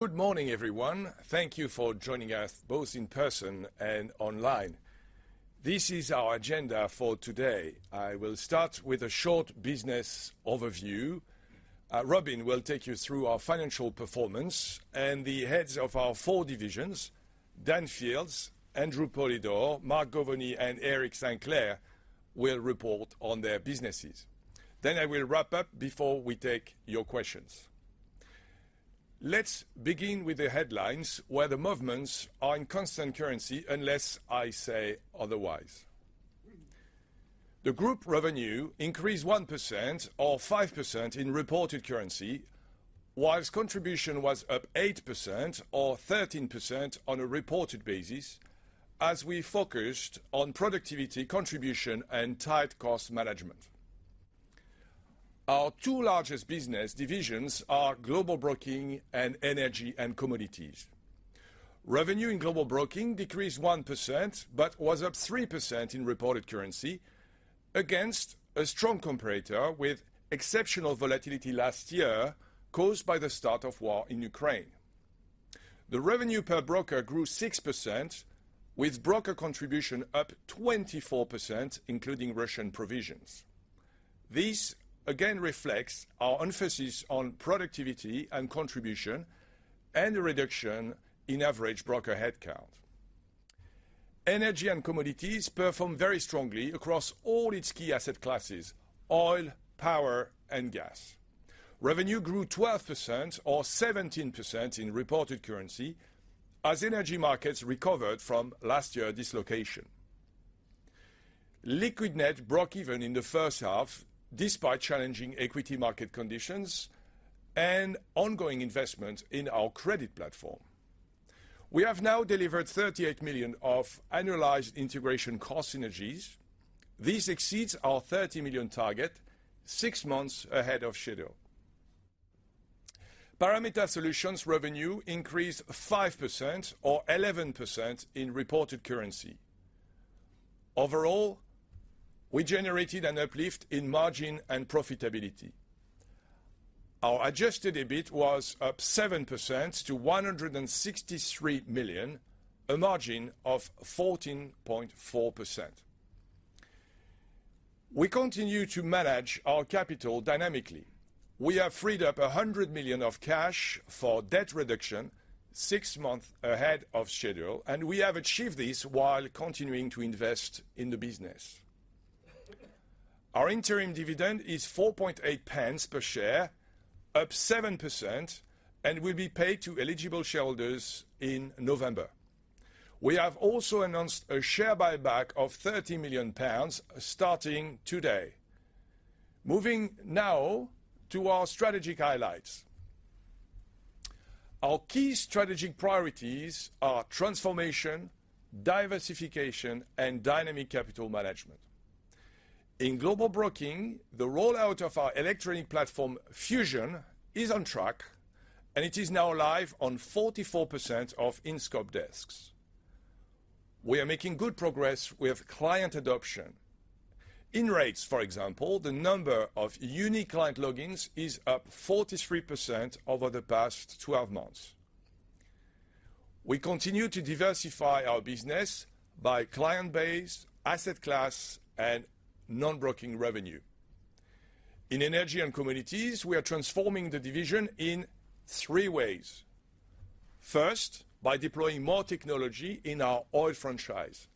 Good morning, everyone. Thank you for joining us, both in person and online. This is our agenda for today. I will start with a short business overview. Robin will take you through our financial performance, the heads of our four divisions, Dan Fields, Andrew Polydor, Mark Govoni, and Eric Sinclair, will report on their businesses. I will wrap up before we take your questions. Let's begin with the headlines, where the movements are in constant currency, unless I say otherwise. The group revenue increased 1%, or 5% in reported currency, whilst contribution was up 8%, or 13% on a reported basis, as we focused on productivity, contribution, and tight cost management. Our two largest business divisions are Global Broking and Energy & Commodities. Revenue in Global Broking decreased 1%, but was up 3% in reported currency against a strong comparator with exceptional volatility last year, caused by the start of war in Ukraine. The revenue per broker grew 6%, with broker contribution up 24%, including Russian provisions. This again reflects our emphasis on productivity and contribution and a reduction in average broker headcount. Energy & Commodities performed very strongly across all its key asset classes: oil, power, and gas. Revenue grew 12%, or 17% in reported currency, as energy markets recovered from last year's dislocation. Liquidnet broke even in the first half, despite challenging equity market conditions and ongoing investment in our credit platform. We have now delivered 38 million of annualized integration cost synergies. This exceeds our 30 million target, six months ahead of schedule. Parameta Solutions revenue increased 5%, or 11% in reported currency. Overall, we generated an uplift in margin and profitability. Our adjusted EBIT was up 7% to 163 million, a margin of 14.4%. We continue to manage our capital dynamically. We have freed up 100 million of cash for debt reduction, six months ahead of schedule, we have achieved this while continuing to invest in the business. Our interim dividend is 0.048 per share, up 7%, will be paid to eligible shareholders in November. We have also announced a share buyback of 30 million pounds starting today. Moving now to our strategic highlights. Our key strategic priorities are transformation, diversification, and dynamic capital management. In Global Broking, the rollout of our electronic platform, Fusion, is on track, and it is now live on 44% of in-scope desks. We are making good progress with client adoption. In rates, for example, the number of unique client logins is up 43% over the past 12 months. We continue to diversify our business by client base, asset class, and non-broking revenue. In Energy & Commodities, we are transforming the division in three ways. First, by deploying more technology in our oil franchise.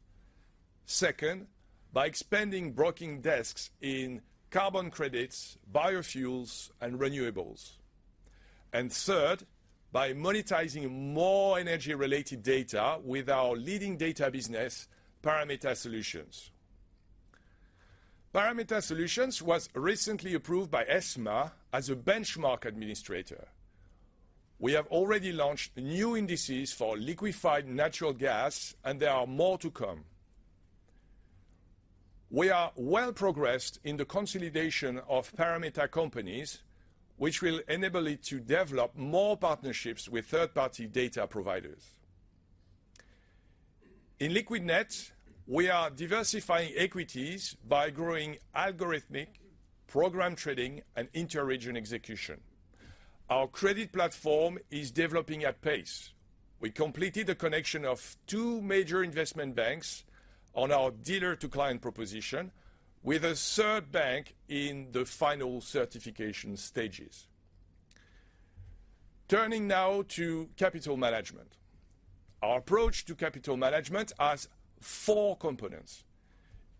Second, by expanding broking desks in carbon credits, biofuels, and renewables. Third, by monetizing more energy-related data with our leading data business, Parameta Solutions. Parameta Solutions was recently approved by ESMA as a benchmark administrator. We have already launched new indices for Liquefied Natural Gas, and there are more to come. We are well progressed in the consolidation of Parameta companies, which will enable it to develop more partnerships with third-party data providers. In Liquidnet, we are diversifying equities by growing algorithmic program trading and inter-region execution. Our Credit platform is developing at pace. We completed the connection of two major investment banks on our Dealer-to-client proposition, with a third bank in the final certification stages. Turning now to capital management. Our approach to capital management has four components: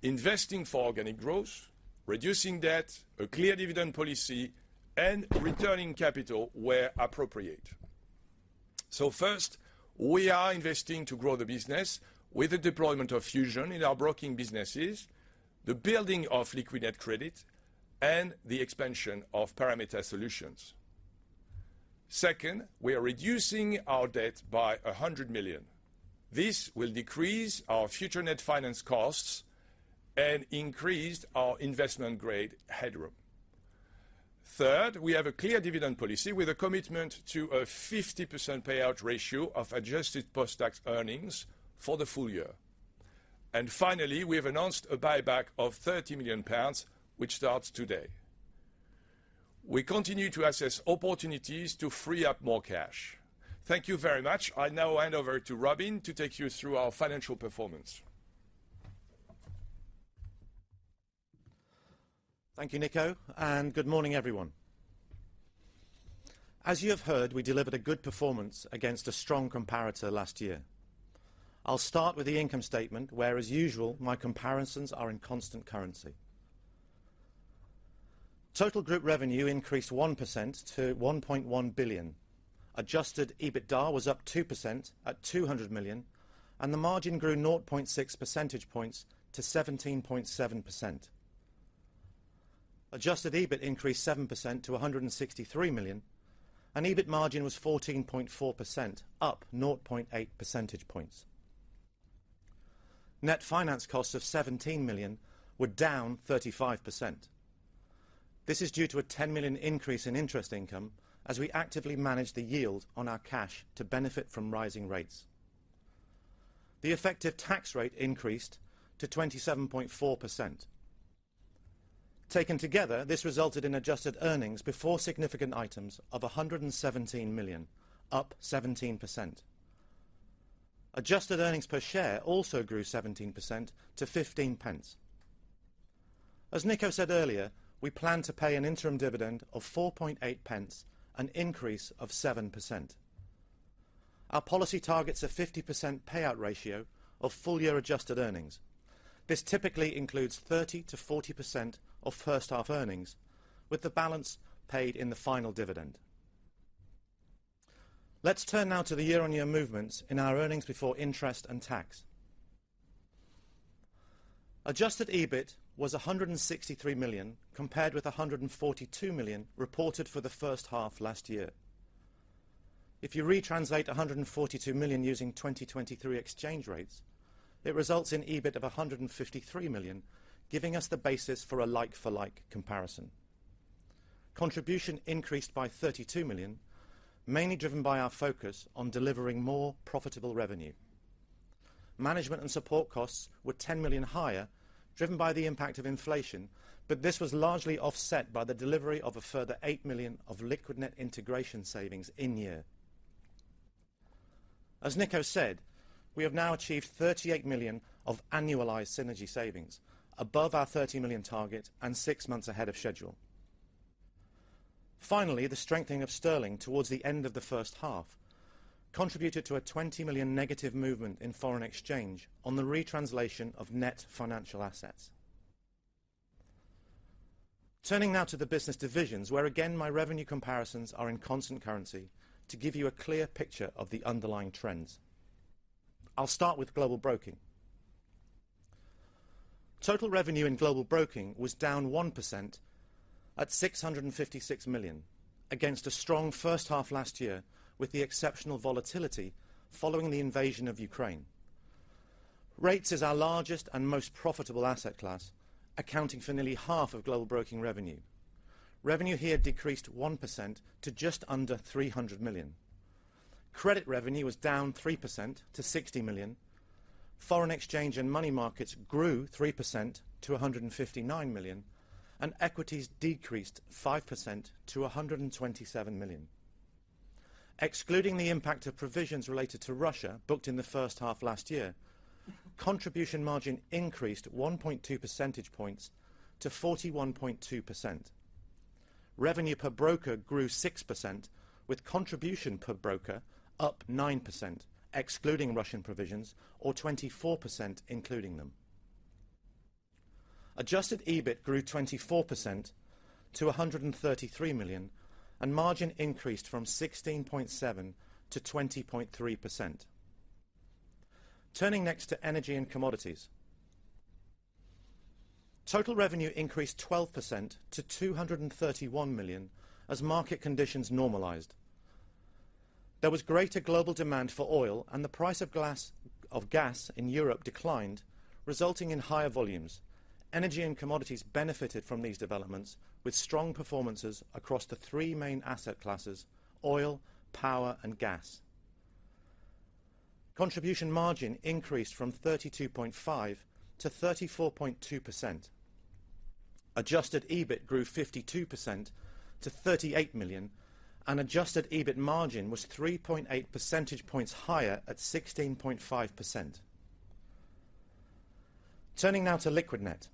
investing for organic growth, reducing debt, a clear dividend policy, and returning capital where appropriate. First, we are investing to grow the business with the deployment of Fusion in our broking businesses, the building of Liquidnet Credit, and the expansion of Parameta Solutions. Second, we are reducing our debt by 100 million. This will decrease our future net finance costs and increase our investment-grade headroom. Third, we have a clear dividend policy with a commitment to a 50% payout ratio of adjusted post-tax earnings for the full year. Finally, we have announced a buyback of 30 million pounds, which starts today. We continue to assess opportunities to free up more cash. Thank you very much. I'll now hand over to Robin to take you through our financial performance. Thank you, Nico, and good morning, everyone. As you have heard, we delivered a good performance against a strong comparator last year. I'll start with the income statement, where, as usual, my comparisons are in constant currency. Total group revenue increased 1% to 1.1 billion. Adjusted EBITDA was up 2% at 200 million, and the margin grew 0.6 percentage points to 17.7%. Adjusted EBIT increased 7% to 163 million, and EBIT margin was 14.4%, up 0.8 percentage points. Net finance costs of 17 million were down 35%. This is due to a 10 million increase in interest income as we actively manage the yield on our cash to benefit from rising rates. The effective tax rate increased to 27.4%. Taken together, this resulted in adjusted earnings before significant items of 117 million, up 17%. Adjusted earnings per share also grew 17% to 0.15. As Nico said earlier, we plan to pay an interim dividend of 0.048, an increase of 7%. Our policy targets a 50% payout ratio of full-year adjusted earnings. This typically includes 30%-40% of first-half earnings, with the balance paid in the final dividend. Let's turn now to the year-on-year movements in our earnings before interest and tax. Adjusted EBIT was 163 million, compared with 142 million reported for the first half last year. If you retranslate 142 million using 2023 exchange rates, it results in EBIT of 153 million, giving us the basis for a like-for-like comparison. Contribution increased by 32 million, mainly driven by our focus on delivering more profitable revenue. Management and support costs were 10 million higher, driven by the impact of inflation, but this was largely offset by the delivery of a further 8 million of Liquidnet integration savings in year. As Nico said, we have now achieved 38 million of annualized synergy savings, above our 30 million target and six months ahead of schedule. The strengthening of Sterling towards the end of the first half contributed to a 20 million negative movement in FX on the retranslation of net financial assets. Turning now to the business divisions, where, again, my revenue comparisons are in constant currency, to give you a clear picture of the underlying trends. I'll start with Global Broking. Total revenue in Global Broking was down 1% at 656 million, against a strong first half last year, with the exceptional volatility following the invasion of Ukraine. Rates is our largest and most profitable asset class, accounting for nearly half of Global Broking revenue. Revenue here decreased 1% to just under 300 million. Credit revenue was down 3% to 60 million. Foreign exchange and money markets grew 3% to 159 million. Excluding the impact of provisions related to Russia, booked in the first half last year, contribution margin increased 1.2 percentage points to 41.2%. Revenue per broker grew 6%, with contribution per broker up 9%, excluding Russian provisions, or 24%, including them. Adjusted EBIT grew 24% to 133 million, and margin increased from 16.7% to 20.3%. Turning next to Energy & Commodities. Total revenue increased 12% to 231 million as market conditions normalized. There was greater global demand for oil and the price of gas in Europe declined, resulting in higher volumes. Energy & Commodities benefited from these developments with strong performances across the three main asset classes: oil, power, and gas. Contribution margin increased from 32.5% to 34.2%. Adjusted EBIT grew 52% to 38 million, and adjusted EBIT margin was 3.8 percentage points higher at 16.5%. Turning now to Liquidnet.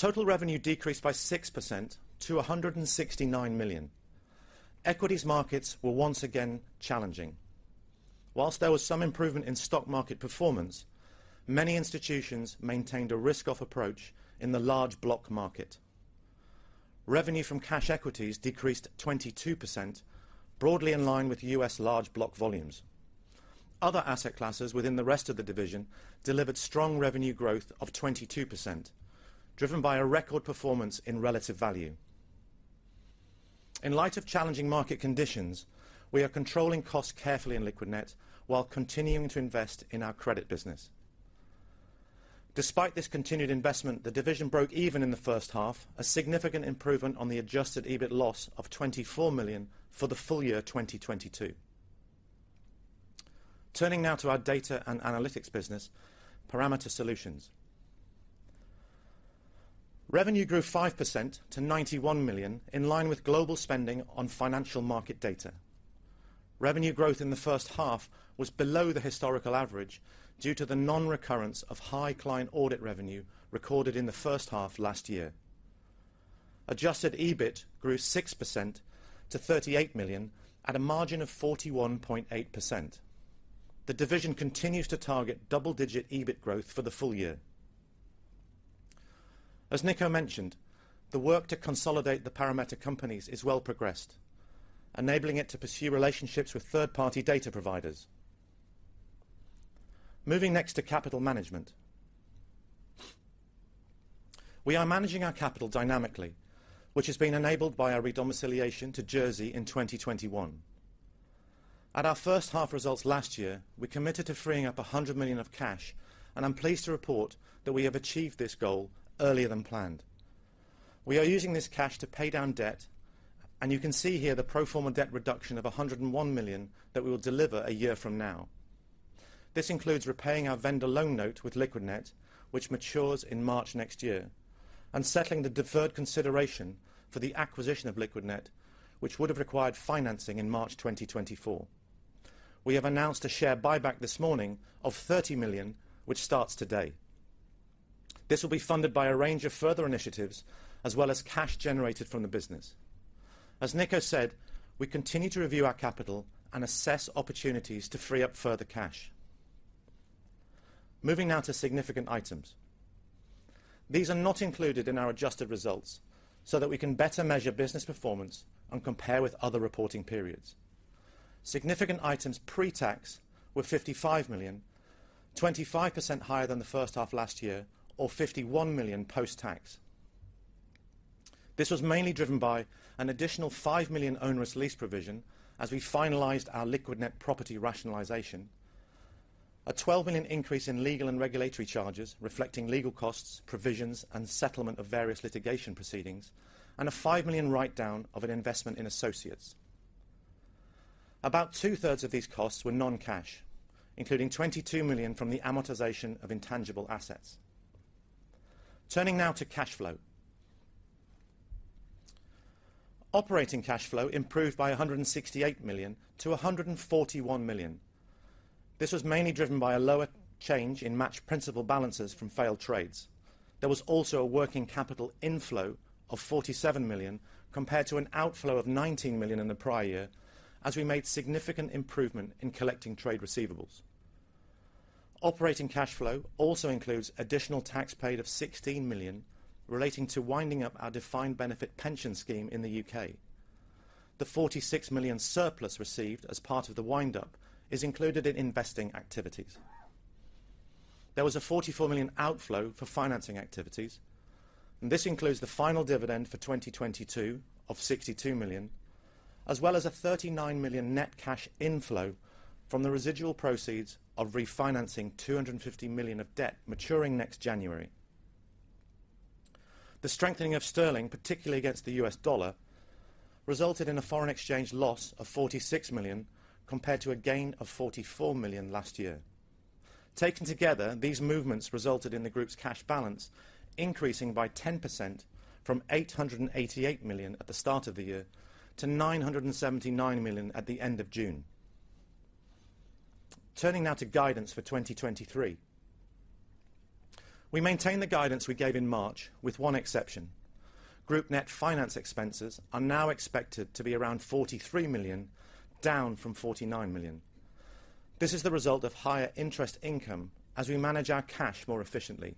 Total revenue decreased by 6% to 169 million. Equities markets were once again challenging. Whilst there was some improvement in stock market performance, many institutions maintained a risk-off approach in the large block market. Revenue from cash equities decreased 22%, broadly in line with U.S. large block volumes. Other asset classes within the rest of the division delivered strong revenue growth of 22%, driven by a record performance in relative value. In light of challenging market conditions, we are controlling costs carefully in Liquidnet while continuing to invest in our credit business. Despite this continued investment, the division broke even in the first half, a significant improvement on the adjusted EBIT loss of 24 million for the full year 2022. Turning now to our data and analytics business, Parameta Solutions. Revenue grew 5% to 91 million, in line with global spending on financial market data. Revenue growth in the first half was below the historical average due to the non-recurrence of high client audit revenue recorded in the first half last year. Adjusted EBIT grew 6% to 38 million at a margin of 41.8%. The division continues to target double-digit EBIT growth for the full year. As Nico mentioned, the work to consolidate the Parameta companies is well progressed, enabling it to pursue relationships with third-party data providers. Moving next to capital management. We are managing our capital dynamically, which has been enabled by our redomiciliation to Jersey in 2021. At our first half results last year, we committed to freeing up 100 million of cash, and I'm pleased to report that we have achieved this goal earlier than planned. We are using this cash to pay down debt. You can see here the pro forma debt reduction of 101 million that we will deliver a year from now. This includes repaying our vendor loan note with Liquidnet, which matures in March 2024, and settling the deferred consideration for the acquisition of Liquidnet, which would have required financing in March 2024. We have announced a share buyback this morning of 30 million, which starts today. This will be funded by a range of further initiatives, as well as cash generated from the business. As Nico said, we continue to review our capital and assess opportunities to free up further cash. Moving now to significant items. These are not included in our adjusted results so that we can better measure business performance and compare with other reporting periods. Significant items pre-tax were 55 million, 25% higher than the first half last year, or 51 million post-tax. This was mainly driven by an additional 5 million onerous lease provision as we finalized our Liquidnet property rationalization, a 12 million increase in legal and regulatory charges reflecting legal costs, provisions, and settlement of various litigation proceedings, and a 5 million write-down of an investment in associates. About two-thirds of these costs were non-cash, including 22 million from the amortization of intangible assets. Turning now to cash flow. Operating cash flow improved by 168 million to 141 million. This was mainly driven by a lower change in match principal balances from failed trades. There was also a working capital inflow of 47 million, compared to an outflow of 19 million in the prior year, as we made significant improvement in collecting trade receivables. Operating cash flow also includes additional tax paid of 16 million, relating to winding up our defined benefit pension scheme in the UK. The 46 million surplus received as part of the wind-up is included in investing activities. There was a 44 million outflow for financing activities, and this includes the final dividend for 2022 of 62 million, as well as a 39 million net cash inflow from the residual proceeds of refinancing 250 million of debt maturing next January. The strengthening of sterling, particularly against the U.S. dollar, resulted in a foreign exchange loss of 46 million, compared to a gain of 44 million last year. Taken together, these movements resulted in the group's cash balance increasing by 10% from 888 million at the start of the year to 979 million at the end of June. Turning now to guidance for 2023. We maintain the guidance we gave in March, with one exception. Group net finance expenses are now expected to be around 43 million, down from 49 million. This is the result of higher interest income as we manage our cash more efficiently.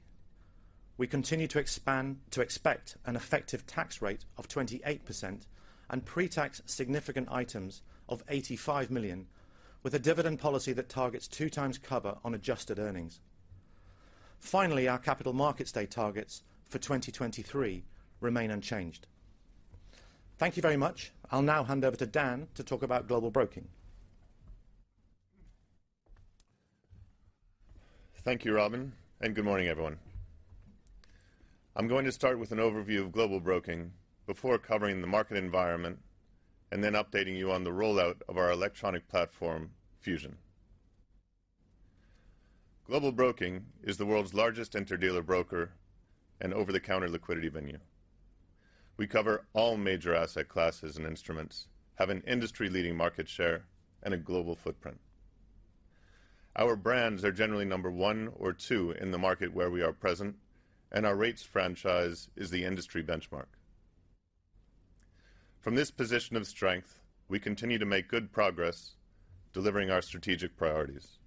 We continue to expect an effective tax rate of 28% and pre-tax significant items of 85 million, with a dividend policy that targets two times cover on adjusted earnings. Finally, our capital markets day targets for 2023 remain unchanged. Thank you very much. I'll now hand over to Dan to talk about Global Broking. Thank you, Robin, and good morning, everyone. I'm going to start with an overview of Global Broking before covering the market environment and then updating you on the rollout of our electronic platform, Fusion. Global Broking is the world's largest interdealer broker and over-the-counter liquidity venue. We cover all major asset classes and instruments, have an industry-leading market share and a global footprint. Our brands are generally number one or two in the market where we are present, and our rates franchise is the industry benchmark. From this position of strength, we continue to make good progress delivering our strategic priorities.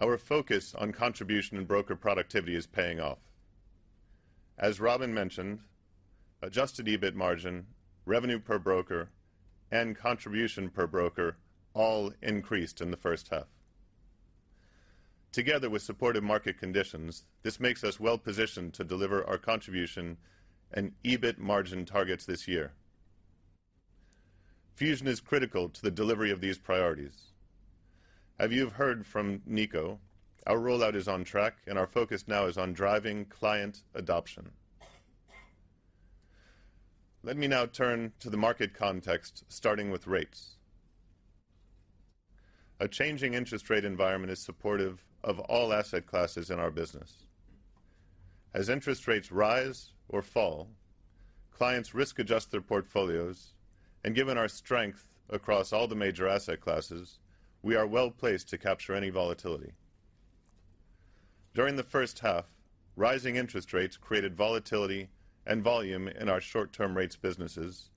Our focus on contribution and broker productivity is paying off. As Robin mentioned, adjusted EBIT margin, revenue per broker, and contribution per broker all increased in the first half. Together with supportive market conditions, this makes us well positioned to deliver our contribution and EBIT margin targets this year.... Fusion is critical to the delivery of these priorities. As you've heard from Nico, our rollout is on track. Our focus now is on driving client adoption. Let me now turn to the market context, starting with rates. A changing interest rate environment is supportive of all asset classes in our business. As interest rates rise or fall, clients risk-adjust their portfolios. Given our strength across all the major asset classes, we are well-placed to capture any volatility. During the first half, rising interest rates created volatility and volume in our short-term rates businesses,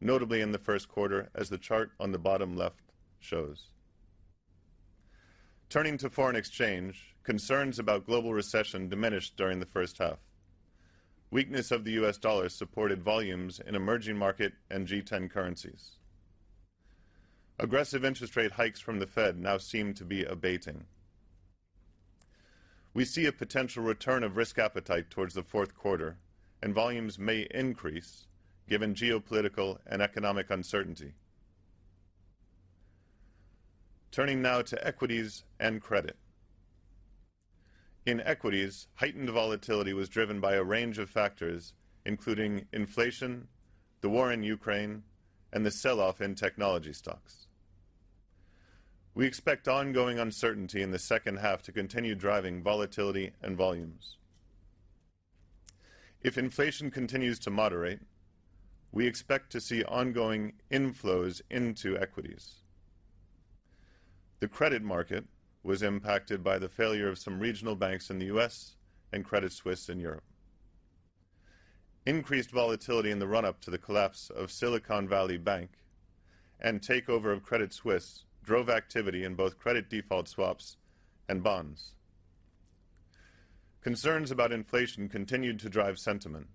notably in the first quarter, as the chart on the bottom left shows. Turning to foreign exchange, concerns about global recession diminished during the first half. Weakness of the U.S. dollar supported volumes in emerging market and G10 currencies. Aggressive interest rate hikes from the Fed now seem to be abating. We see a potential return of risk appetite towards the fourth quarter. Volumes may increase given geopolitical and economic uncertainty. Turning now to Equities and Credit. In equities, heightened volatility was driven by a range of factors, including inflation, the war in Ukraine, and the sell-off in technology stocks. We expect ongoing uncertainty in the second half to continue driving volatility and volumes. If inflation continues to moderate, we expect to see ongoing inflows into equities. The credit market was impacted by the failure of some regional banks in the U.S. and Credit Suisse in Europe. Increased volatility in the run-up to the collapse of Silicon Valley Bank and takeover of Credit Suisse drove activity in both credit default swaps and bonds. Concerns about inflation continued to drive sentiment.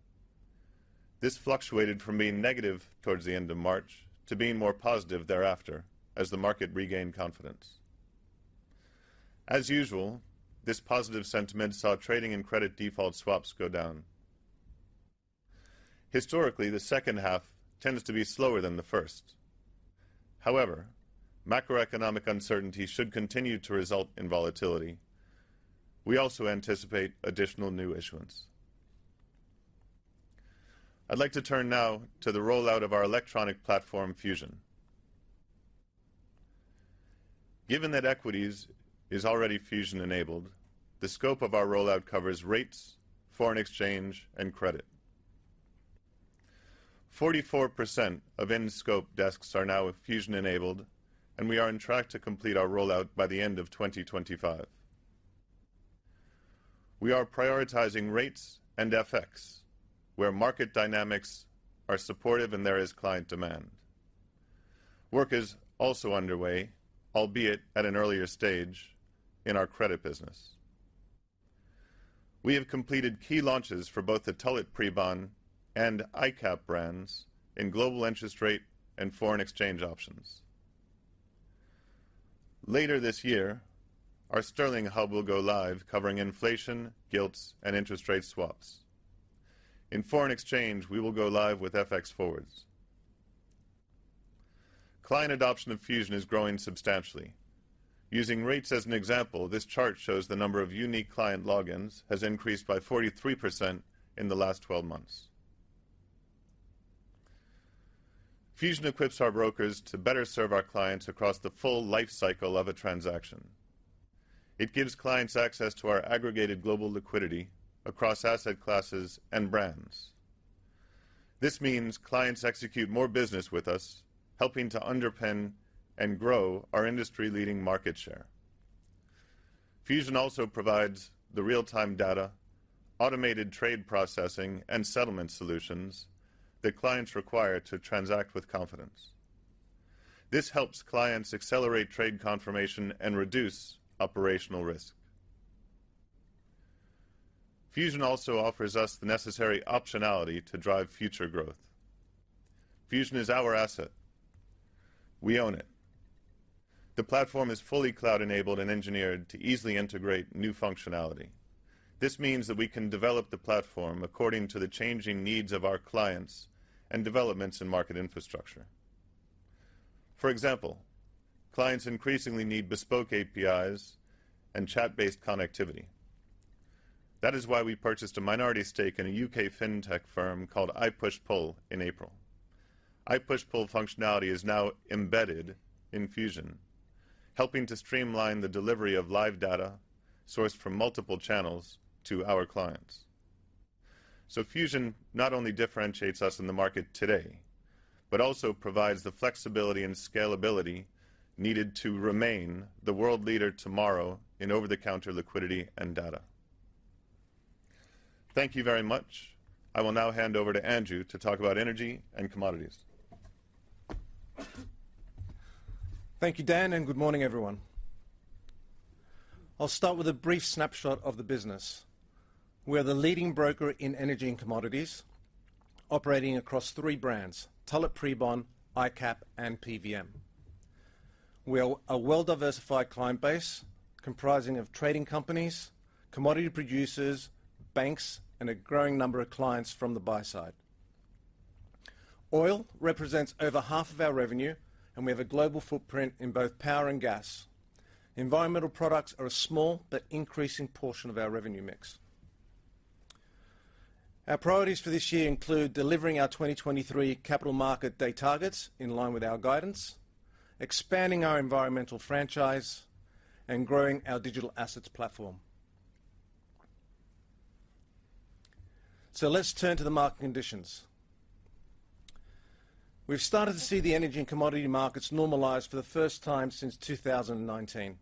This fluctuated from being negative towards the end of March to being more positive thereafter as the market regained confidence. As usual, this positive sentiment saw trading and credit default swaps go down. Historically, the second half tends to be slower than the first. However, macroeconomic uncertainty should continue to result in volatility. We also anticipate additional new issuance. I'd like to turn now to the rollout of our electronic platform, Fusion. Given that equities is already Fusion-enabled, the scope of our rollout covers rates, foreign exchange, and credit. 44% of in-scope desks are now Fusion-enabled, and we are on track to complete our rollout by the end of 2025. We are prioritizing rates and FX, where market dynamics are supportive and there is client demand. Work is also underway, albeit at an earlier stage, in our credit business. We have completed key launches for both the Tullett Prebon and ICAP brands in global interest rate and foreign exchange options. Later this year, our Sterling hub will go live, covering inflation, gilts, and interest rate swaps. In foreign exchange, we will go live with FX forwards. Client adoption of Fusion is growing substantially. Using rates as an example, this chart shows the number of unique client logins has increased by 43% in the last 12 months. Fusion equips our brokers to better serve our clients across the full life cycle of a transaction. It gives clients access to our aggregated global liquidity across asset classes and brands. This means clients execute more business with us, helping to underpin and grow our industry-leading market share. Fusion also provides the real-time data, automated trade processing, and settlement solutions that clients require to transact with confidence. This helps clients accelerate trade confirmation and reduce operational risk. Fusion also offers us the necessary optionality to drive future growth. Fusion is our asset. We own it. The platform is fully cloud-enabled and engineered to easily integrate new functionality. This means that we can develop the platform according to the changing needs of our clients and developments in market infrastructure. For example, clients increasingly need bespoke APIs and chat-based connectivity. That is why we purchased a minority stake in a U.K. fintech firm called ipushpull in April. ipushpull functionality is now embedded in Fusion, helping to streamline the delivery of live data sourced from multiple channels to our clients. Fusion not only differentiates us in the market today, but also provides the flexibility and scalability needed to remain the world leader tomorrow in over-the-counter liquidity and data. Thank you very much. I will now hand over to Andrew to talk about Energy & Commodities. Thank you, Dan. Good morning, everyone. I'll start with a brief snapshot of the business. We are the leading broker in Energy & Commodities, operating across three brands, Tullett Prebon, ICAP, and PVM. We are a well-diversified client base comprising of trading companies, commodity producers, banks, and a growing number of clients from the buy side. Oil represents over half of our revenue. We have a global footprint in both power and gas. Environmental products are a small but increasing portion of our revenue mix. Our priorities for this year include delivering our 2023 capital market day targets in line with our guidance, expanding our environmental franchise, and growing our Digital Assets platform. Let's turn to the market conditions. We've started to see the Energy & Commodities markets normalize for the first time since 2019.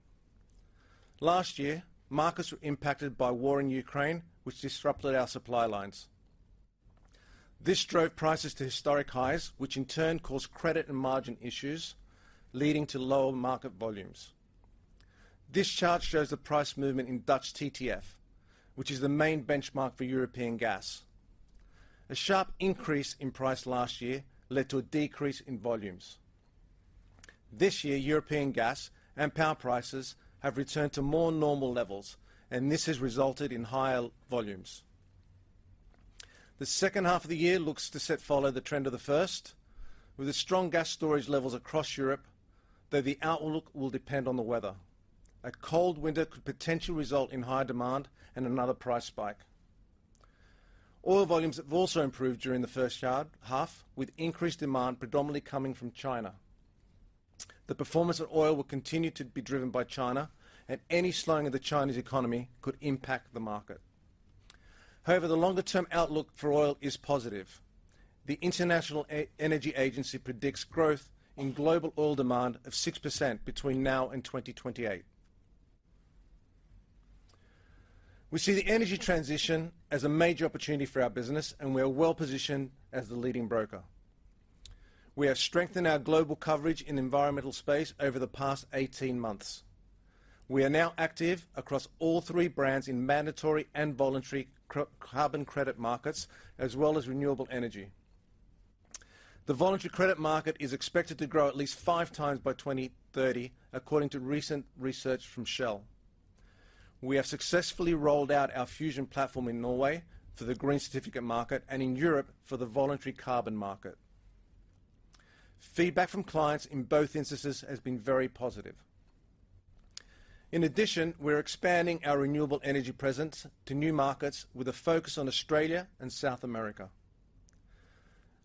Last year, markets were impacted by war in Ukraine, which disrupted our supply lines. This drove prices to historic highs, which in turn caused credit and margin issues, leading to lower market volumes. This chart shows the price movement in Dutch TTF, which is the main benchmark for European gas. A sharp increase in price last year led to a decrease in volumes. This year, European gas and power prices have returned to more normal levels, and this has resulted in higher volumes. The second half of the year looks to set follow the trend of the first, with the strong gas storage levels across Europe, though the outlook will depend on the weather. A cold winter could potentially result in higher demand and another price spike. Oil volumes have also improved during the first half, with increased demand predominantly coming from China. The performance of oil will continue to be driven by China, and any slowing of the Chinese economy could impact the market. However, the longer-term outlook for oil is positive. The International Energy Agency predicts growth in global oil demand of 6% between now and 2028. We see the energy transition as a major opportunity for our business, and we are well positioned as the leading broker. We have strengthened our global coverage in the environmental space over the past 18 months. We are now active across all three brands in mandatory and voluntary carbon credit markets, as well as renewable energy. The voluntary credit market is expected to grow at least 5x by 2030, according to recent research from Shell. We have successfully rolled out our Fusion platform in Norway for the green certificate market and in Europe for the voluntary carbon market. Feedback from clients in both instances has been very positive. In addition, we're expanding our renewable energy presence to new markets with a focus on Australia and South America.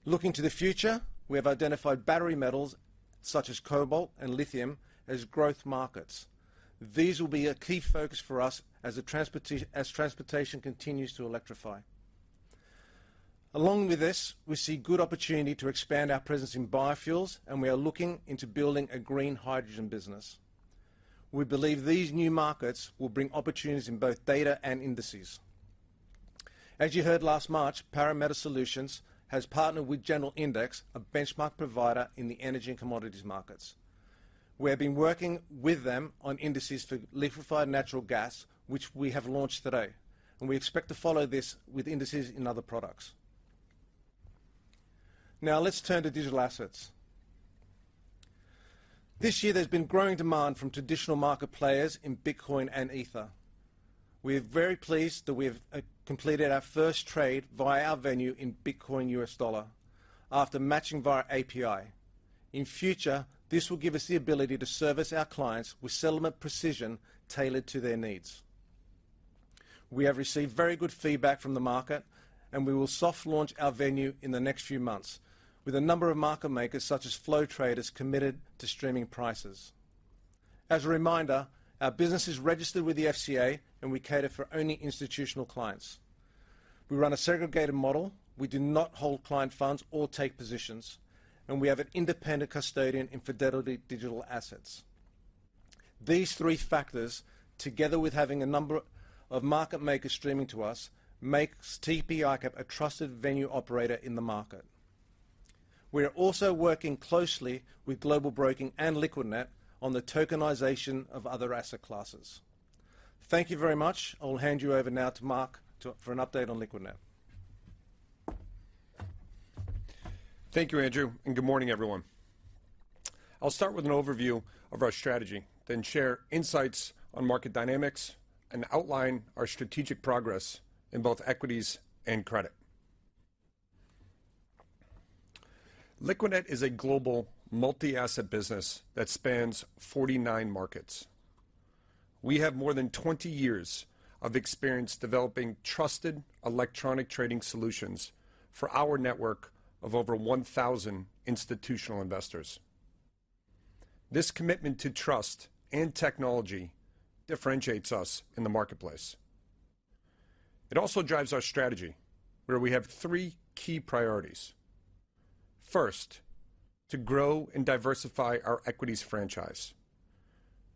Looking to the future, we have identified battery metals, such as cobalt and lithium, as growth markets. These will be a key focus for us as transportation continues to electrify. Along with this, we see good opportunity to expand our presence in biofuels, and we are looking into building a green hydrogen business. We believe these new markets will bring opportunities in both data and indices. As you heard last March, Parameta Solutions has partnered with General Index, a benchmark provider in the energy and commodities markets. We have been working with them on indices for liquefied natural gas, which we have launched today, and we expect to follow this with indices in other products. Let's turn to Digital Assets. This year, there's been growing demand from traditional market players in Bitcoin and Ether. We are very pleased that we have completed our first trade via our venue in Bitcoin U.S. Dollar after matching via API. In future, this will give us the ability to service our clients with settlement precision tailored to their needs. We have received very good feedback from the market. We will soft launch our venue in the next few months with a number of market makers, such as Flow Traders, committed to streaming prices. As a reminder, our business is registered with the FCA, and we cater for only institutional clients. We run a segregated model, we do not hold client funds or take positions, and we have an independent custodian in Fidelity Digital Assets. These three factors, together with having a number of market makers streaming to us, makes TP ICAP a trusted venue operator in the market. We are also working closely with Global Broking and Liquidnet on the tokenization of other asset classes. Thank you very much. I'll hand you over now to Mark for an update on Liquidnet. Thank you, Andrew, and good morning, everyone. I'll start with an overview of our strategy, then share insights on market dynamics and outline our strategic progress in both equities and credit. Liquidnet is a global multi-asset business that spans 49 markets. We have more than 20 years of experience developing trusted electronic trading solutions for our network of over 1,000 institutional investors. This commitment to trust and technology differentiates us in the marketplace. It also drives our strategy, where we have three key priorities. First, to grow and diversify our equities franchise.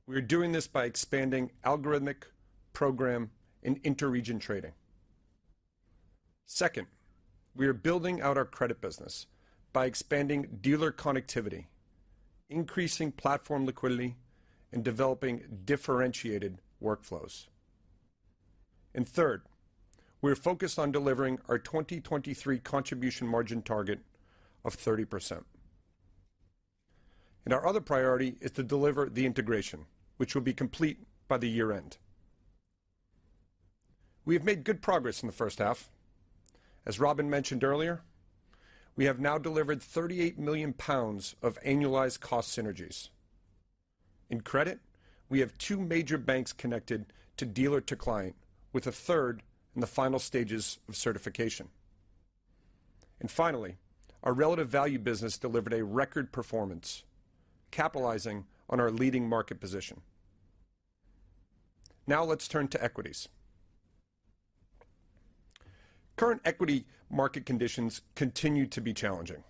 We are doing this by expanding algorithmic program in inter-region trading. Second, we are building out our Credit business by expanding dealer connectivity, increasing platform liquidity, and developing differentiated workflows.. Third, we are focused on delivering our 2023 contribution margin target of 30%. Our other priority is to deliver the integration, which will be complete by the year-end. We have made good progress in the first half. As Robin mentioned earlier, we have now delivered 38 million pounds of annualized cost synergies. In Credit, we have two major banks connected to dealer-to-client, with a third in the final stages of certification. Finally, our relative value business delivered a record performance, capitalizing on our leading market position. Now let's turn to Equities. Current equity market conditions continue to be challenging.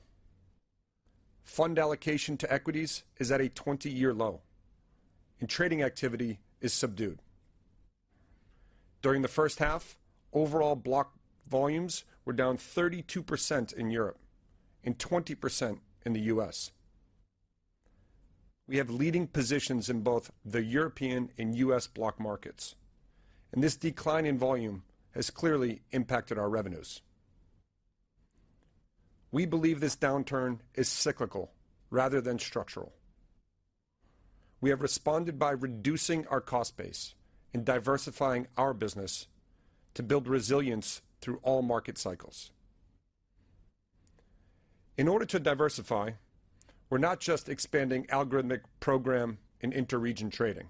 Fund allocation to equities is at a 20-year low, and trading activity is subdued. During the first half, overall block volumes were down 32% in Europe and 20% in the U.S. We have leading positions in both the European and U.S. block markets, and this decline in volume has clearly impacted our revenues. We believe this downturn is cyclical rather than structural. We have responded by reducing our cost base and diversifying our business to build resilience through all market cycles. In order to diversify, we're not just expanding algorithmic program in inter-region trading.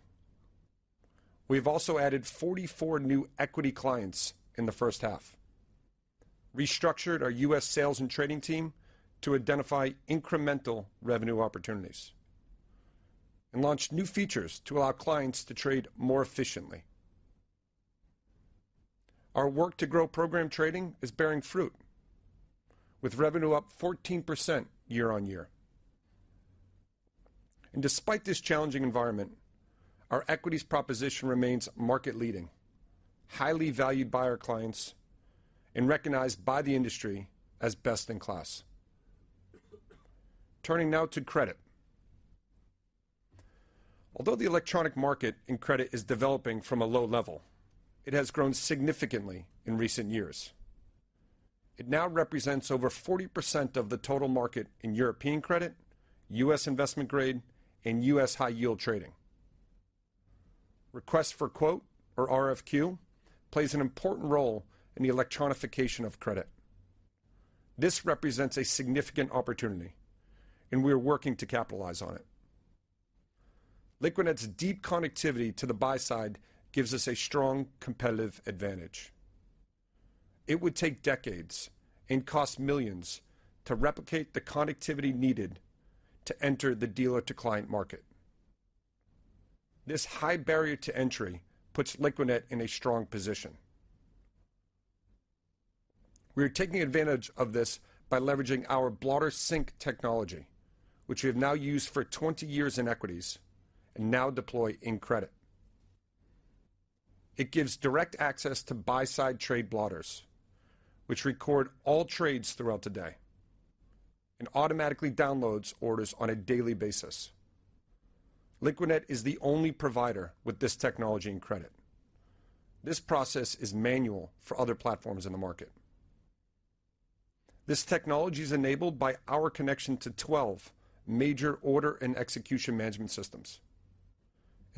We've also added 44 new equity clients in the first half, restructured our U.S. sales and trading team to identify incremental revenue opportunities, and launched new features to allow clients to trade more efficiently. Our work to grow Program Trading is bearing fruit, with revenue up 14% year-on-year. Despite this challenging environment, our equities proposition remains market-leading, highly valued by our clients, and recognized by the industry as best in class. Turning now to credit. Although the electronic market in Credit is developing from a low level, it has grown significantly in recent years. It now represents over 40% of the total market in European credit, U.S. investment grade, and U.S. high yield trading. Request for quote, or RFQ, plays an important role in the electronification of Credit. This represents a significant opportunity, and we are working to capitalize on it. Liquidnet's deep connectivity to the buy side gives us a strong competitive advantage. It would take decades and cost millions to replicate the connectivity needed to enter the dealer-to-client market. This high barrier to entry puts Liquidnet in a strong position. We are taking advantage of this by leveraging our Blotter Sync technology, which we have now used for 20 years in Equities and now deploy in Credit. It gives direct access to buy side trade blotters, which record all trades throughout the day, and automatically downloads orders on a daily basis. Liquidnet is the only provider with this technology in credit. This process is manual for other platforms in the market. This technology is enabled by our connection to 12 major order and execution management systems.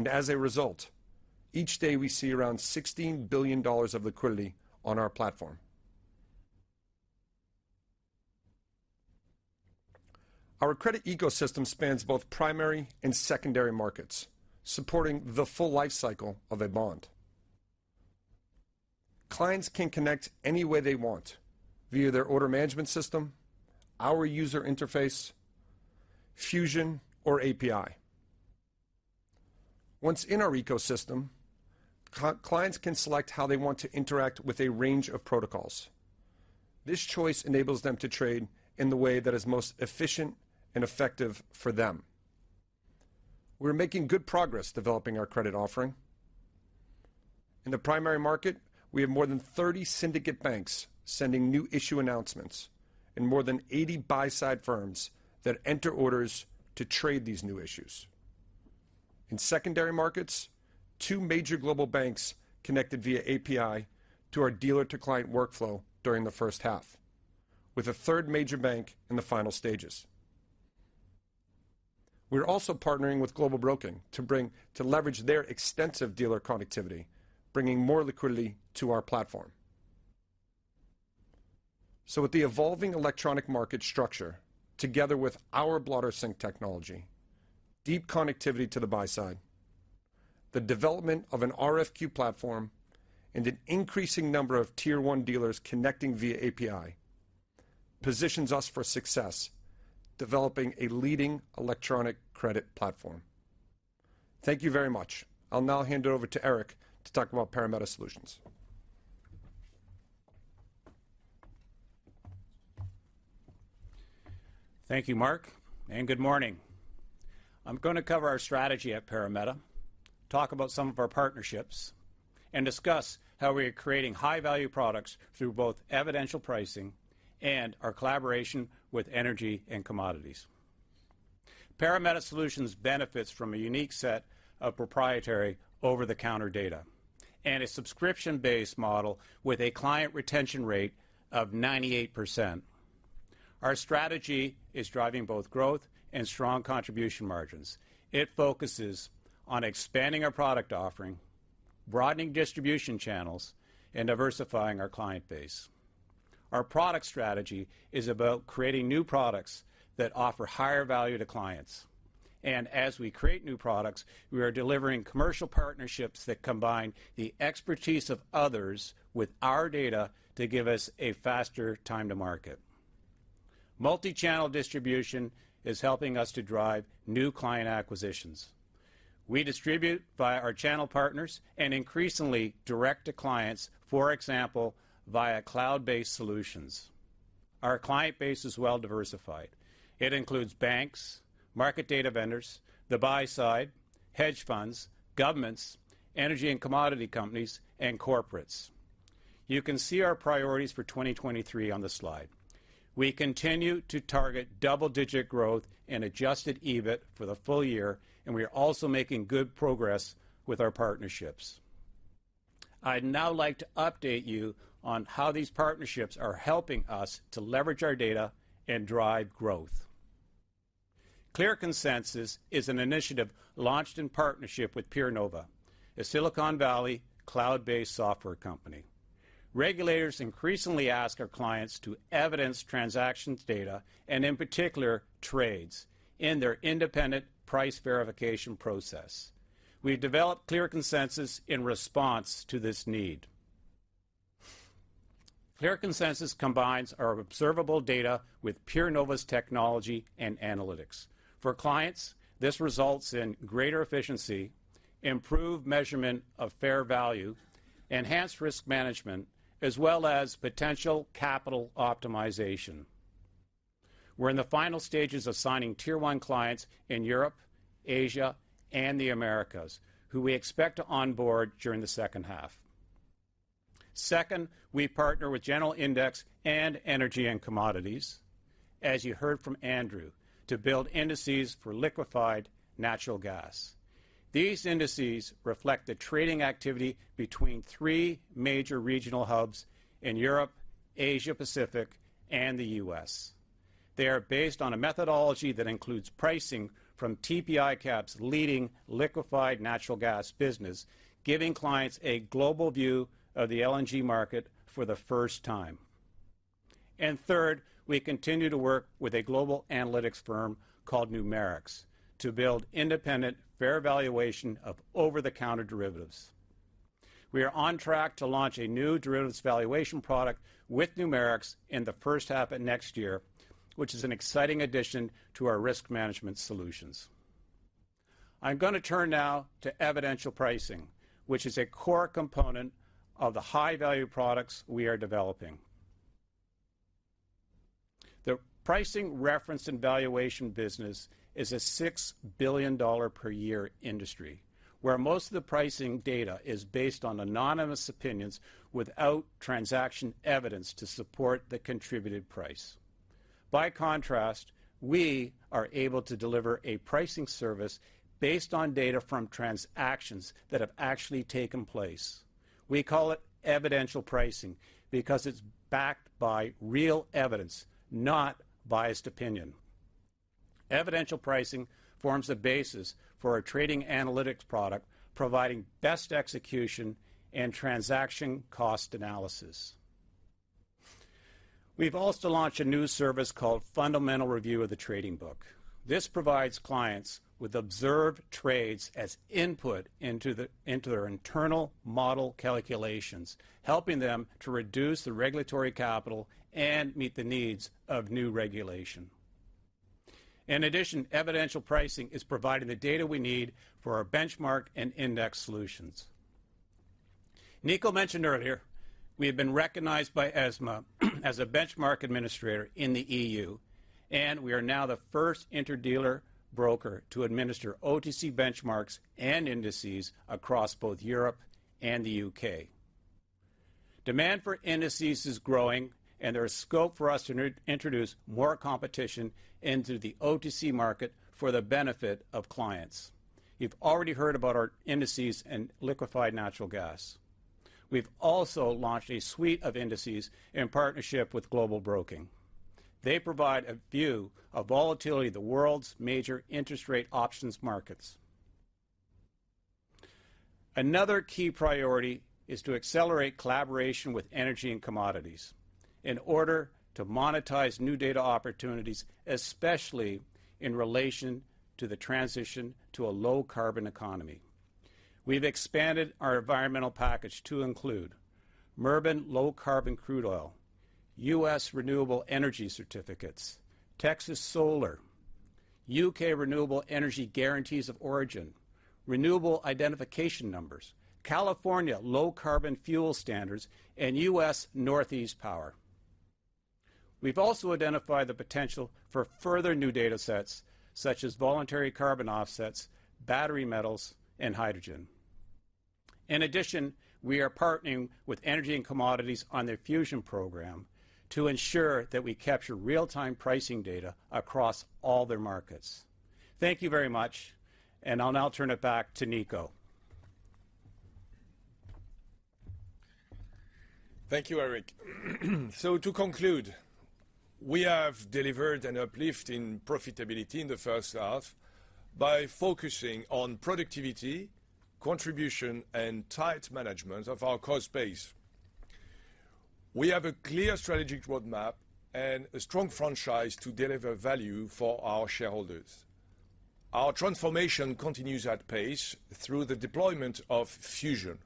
As a result, each day we see around GBP 16 billion of liquidity on our platform. Our Credit ecosystem spans both primary and secondary markets, supporting the full life cycle of a bond. Clients can connect any way they want, via their order management system, our user interface, Fusion, or API. Once in our ecosystem, clients can select how they want to interact with a range of protocols. This choice enables them to trade in the way that is most efficient and effective for them. We're making good progress developing our Credit offering. In the primary market, we have more than 30 syndicate banks sending new issue announcements and more than 80 buy side firms that enter orders to trade these new issues. In secondary markets, two major global banks connected via API to our dealer-to-client workflow during the first half, with a third major bank in the final stages. We're also partnering with Global Broking To leverage their extensive dealer connectivity, bringing more liquidity to our platform. With the evolving electronic market structure, together with our Blotter Sync technology, deep connectivity to the buy side, the development of an RFQ platform, and an increasing number of Tier 1 dealers connecting via API, positions us for success, developing a leading electronic credit platform. Thank you very much. I'll now hand it over to Eric to talk about Parameta Solutions. Thank you, Mark, and good morning. I'm going to cover our strategy at Parameta, talk about some of our partnerships, and discuss how we are creating high-value products through both evidential pricing and our collaboration with Energy & Commodities. Parameta Solutions benefits from a unique set of proprietary over-the-counter data and a subscription-based model with a client retention rate of 98%. Our strategy is driving both growth and strong contribution margins. It focuses on expanding our product offering, broadening distribution channels, and diversifying our client base. Our product strategy is about creating new products that offer higher value to clients. As we create new products, we are delivering commercial partnerships that combine the expertise of others with our data to give us a faster time to market. Multi-channel distribution is helping us to drive new client acquisitions. We distribute via our channel partners and increasingly direct to clients, for example, via cloud-based solutions. Our client base is well diversified. It includes banks, market data vendors, the buy side, hedge funds, governments, energy and commodity companies, and corporates. You can see our priorities for 2023 on the slide. We continue to target double-digit growth and adjusted EBIT for the full year, and we are also making good progress with our partnerships. I'd now like to update you on how these partnerships are helping us to leverage our data and drive growth. ClearConsensus is an initiative launched in partnership with PureNova, a Silicon Valley cloud-based software company. Regulators increasingly ask our clients to evidence transactions data, and in particular, trades, in their independent price verification process. We developed ClearConsensus in response to this need. ClearConsensus combines our observable data with PureNova's technology and analytics. For clients, this results in greater efficiency, improved measurement of fair value, enhanced risk management, as well as potential capital optimization. We're in the final stages of signing Tier One clients in Europe, Asia, and the Americas, who we expect to onboard during the second half. Second, we partner with General Index and Energy & Commodities, as you heard from Andrew, to build indices for liquefied natural gas. These indices reflect the trading activity between three major regional hubs in Europe, Asia Pacific, and the U.S. They are based on a methodology that includes pricing from TP ICAP's leading liquefied natural gas business, giving clients a global view of the LNG market for the first time. Third, we continue to work with a global analytics firm called Numerix to build independent fair valuation of over-the-counter derivatives. We are on track to launch a new derivatives valuation product with Numerix in the first half of next year, which is an exciting addition to our risk management solutions. I'm going to turn now to evidential pricing, which is a core component of the high-value products we are developing. The pricing reference and valuation business is a $6 billion-per-year industry, where most of the pricing data is based on anonymous opinions without transaction evidence to support the contributed price. By contrast, we are able to deliver a pricing service based on data from transactions that have actually taken place. We call it Evidential Pricing because it's backed by real evidence, not biased opinion. Evidential Pricing forms the basis for our Trading Analytics product, providing best execution and transaction cost analysis. We've also launched a new service called Fundamental Review of the Trading Book. This provides clients with observed trades as input into their internal model calculations, helping them to reduce the regulatory capital and meet the needs of new regulation. Evidential Pricing is providing the data we need for our benchmark and index solutions. Nico mentioned earlier, we have been recognized by ESMA as a benchmark administrator in the EU. We are now the first interdealer broker to administer OTC benchmarks and indices across both Europe and the U.K. Demand for indices is growing. There is scope for us to introduce more competition into the OTC market for the benefit of clients. You've already heard about our indices and liquefied natural gas. We've also launched a suite of indices in partnership with Global Broking. They provide a view of volatility of the world's major interest rate options markets. Another key priority is to accelerate collaboration with Energy & Commodities in order to monetize new data opportunities, especially in relation to the transition to a low-carbon economy. We've expanded our environmental package to include Murban low-carbon crude oil, U.S. renewable energy certificates, Texas solar, U.K. renewable energy guarantees of origin, renewable identification numbers, California low-carbon fuel standards, and U.S. Northeast power. We've also identified the potential for further new datasets, such as voluntary carbon offsets, battery metals, and hydrogen. In addition, we are partnering with Energy & Commodities on their Fusion program to ensure that we capture real-time pricing data across all their markets. Thank you very much, and I'll now turn it back to Nico. Thank you, Eric. To conclude, we have delivered an uplift in profitability in the first half by focusing on productivity, contribution, and tight management of our cost base. We have a clear strategic roadmap and a strong franchise to deliver value for our shareholders. Our transformation continues at pace through the deployment of Fusion.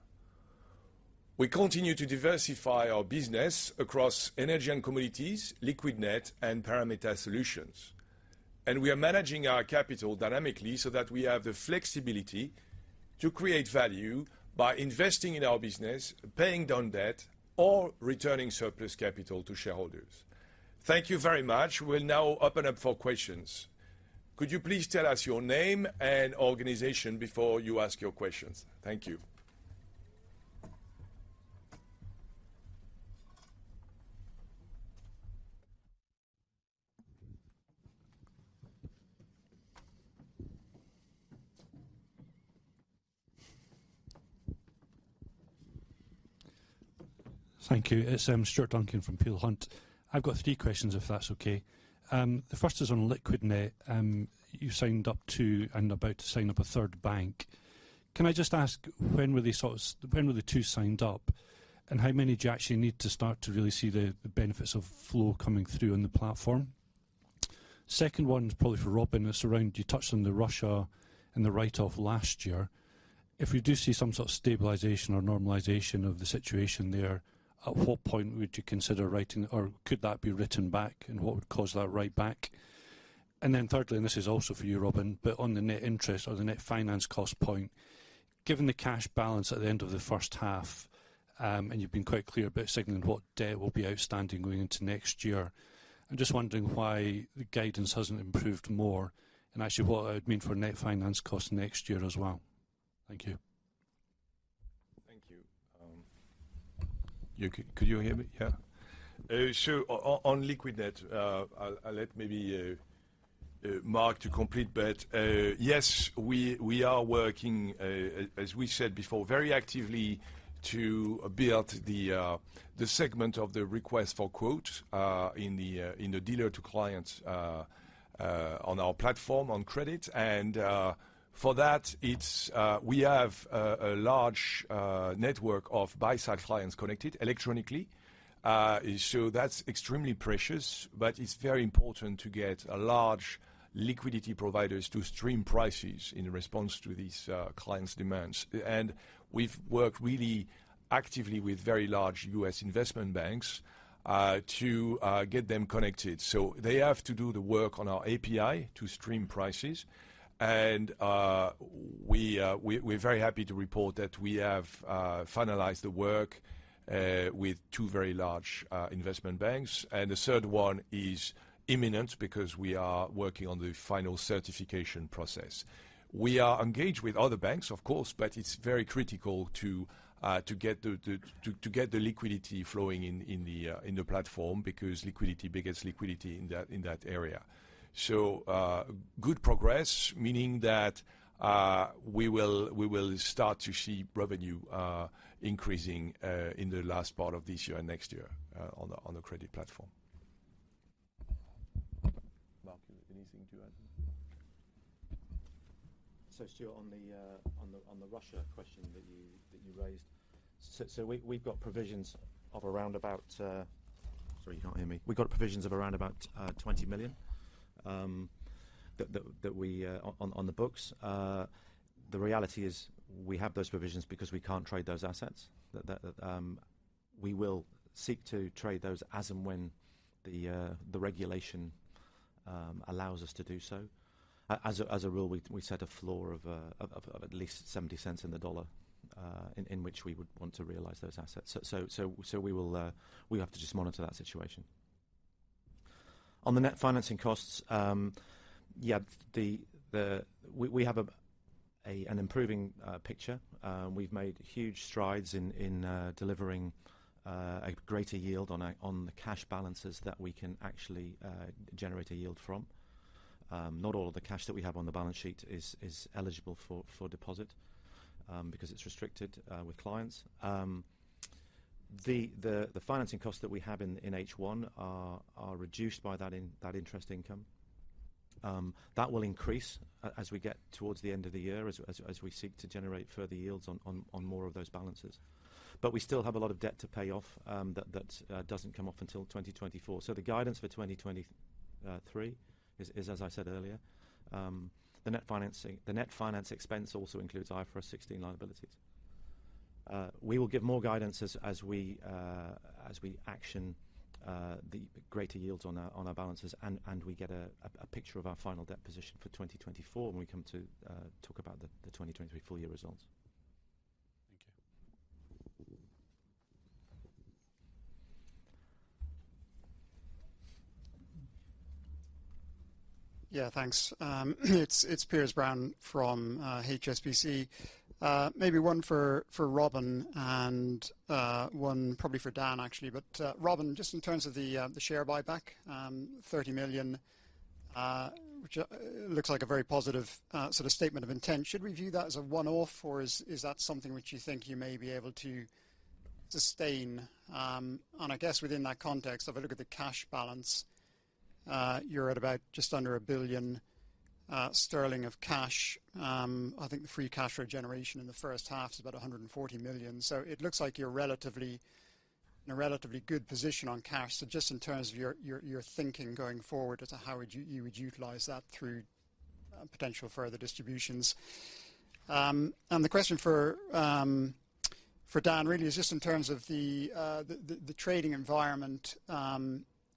We continue to diversify our business across Energy & Commodities, Liquidnet, and Parameta Solutions. We are managing our capital dynamically so that we have the flexibility to create value by investing in our business, paying down debt, or returning surplus capital to shareholders. Thank you very much. We'll now open up for questions. Could you please tell us your name and organization before you ask your questions? Thank you. Thank you. It's Stuart Duncan from Peel Hunt. I've got three questions, if that's okay. The first is on Liquidnet. You signed up to and about to sign up a third bank. Can I just ask, when were they when were the two signed up? How many do you actually need to start to really see the, the benefits of flow coming through in the platform? Second one is probably for Robin. It's around, you touched on the Russia and the write-off last year. If we do see some sort of stabilization or normalization of the situation there, at what point would you consider writing or could that be written back, and what would cause that write back? Thirdly, and this is also for you, Robin, but on the net interest or the net finance cost point, given the cash balance at the end of the first half, and you've been quite clear about signaling what debt will be outstanding going into next year, I'm just wondering why the guidance hasn't improved more, and actually, what it would mean for net finance costs next year as well. Thank you. Thank you. Could you hear me? Yeah. So on Liquidnet, I'll let maybe Mark to complete, but yes, we are working as we said before, very actively to build the segment of the request for quote in the dealer to clients on our platform on Credit. For that, it's we have a large network of buy-side clients connected electronically. So that's extremely precious, but it's very important to get a large liquidity providers to stream prices in response to these clients' demands. We've worked really actively with very large U.S. investment banks to get them connected. They have to do the work on our API to stream prices, and we, we're very happy to report that we have finalized the work with two very large investment banks, and the third one is imminent because we are working on the final certification process. We are engaged with other banks, of course, but it's very critical to get the liquidity flowing in, in the platform, because liquidity begets liquidity in that, in that area. Good progress, meaning that we will, we will start to see revenue increasing in the last part of this year and next year on the Liquidnet Credit platform. Mark, anything to add? Stuart, on the Russia question that you raised. Sorry, you can't hear me. We've got provisions of around about 20 million that we on the books. The reality is we have those provisions because we can't trade those assets. That we will seek to trade those as and when the regulation allows us to do so. As a rule, we set a floor of at least $0.70 in the dollar in which we would want to realize those assets. We will, we have to just monitor that situation. On the net financing costs, yeah, we have an improving picture. We've made huge strides in delivering a greater yield on our cash balances that we can actually generate a yield from. Not all of the cash that we have on the balance sheet is eligible for deposit because it's restricted with clients. The financing costs that we have in H1 are reduced by that interest income. That will increase as we get towards the end of the year, as we seek to generate further yields on more of those balances. We still have a lot of debt to pay off that doesn't come off until 2024. The guidance for 2023 is, is, as I said earlier, the net financing-- the net finance expense also includes IFRS 16 liabilities. We will give more guidance as, as we action the greater yields on our, on our balances, and, and we get a, a, a picture of our final debt position for 2024 when we come to talk about the 2023 full year results. Thank you. Yeah, thanks. It's, it's Piers Brown from, HSBC. Maybe one for, for Robin and, one probably for Dan, actually. Robin, just in terms of the, the share buyback, 30 million, which, looks like a very positive, sort of statement of intent. Should we view that as a one-off, or is, is that something which you think you may be able to sustain? And I guess within that context, if I look at the cash balance, you're at about just under 1 billion sterling of cash. I think the free cash flow generation in the first half is about 140 million. It looks like you're relatively, in a relatively good position on cash. Just in terms of your, your, your thinking going forward as to how you would utilize that through potential further distributions. The question for Dan really is just in terms of the trading environment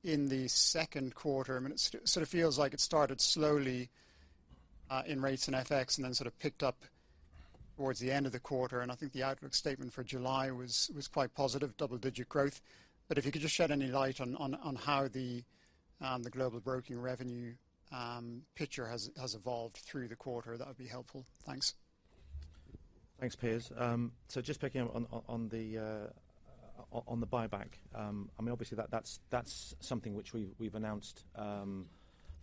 in the second quarter. I mean, it sort of feels like it started slowly in rates and FX and then sort of picked up towards the end of the quarter, and I think the outlook statement for July was quite positive, double-digit growth. If you could just shed any light on how the Global Broking revenue picture has evolved through the quarter, that would be helpful. Thanks. Thanks, Piers. Just picking up on, on, on the, on, on the buyback. I mean, obviously, that, that's, that's something which we've, we've announced,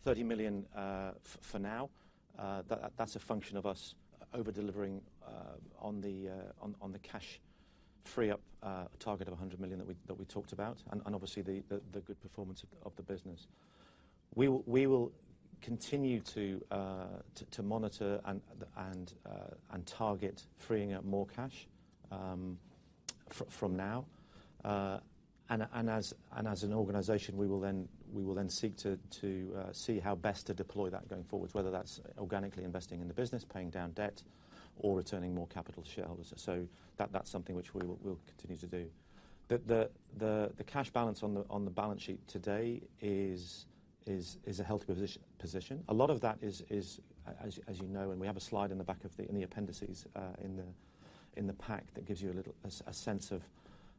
30 million for now. That's a function of us over-delivering on the, on, on the cash free up target of 100 million that we, that we talked about, and, and obviously, the, the, the good performance of, of the business. We will, we will continue to monitor and, and target freeing up more cash from now. As, and as an organization, we will then seek to, to see how best to deploy that going forward, whether that's organically investing in the business, paying down debt, or returning more capital to shareholders. That's something which we will, we'll continue to do. The cash balance on the balance sheet today is a healthy position. A lot of that is, as you know, and we have a slide in the back of the appendices, in the pack, that gives you a little sense of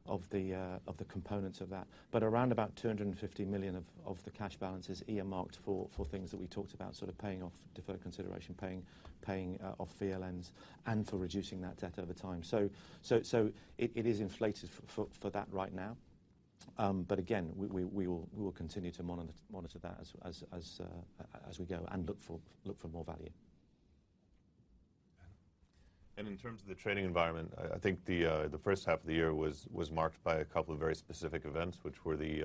the components of that. Around about 250 million of the cash balance is earmarked for things that we talked about, sort of paying off deferred consideration, paying off VLNs, and for reducing that debt over time. It is inflated for that right now. Again, we, we, we will, we will continue to monitor that as we go and look for, look for more value. In terms of the trading environment, I think the 1st half of the year was, was marked by a couple of very specific events, which were the,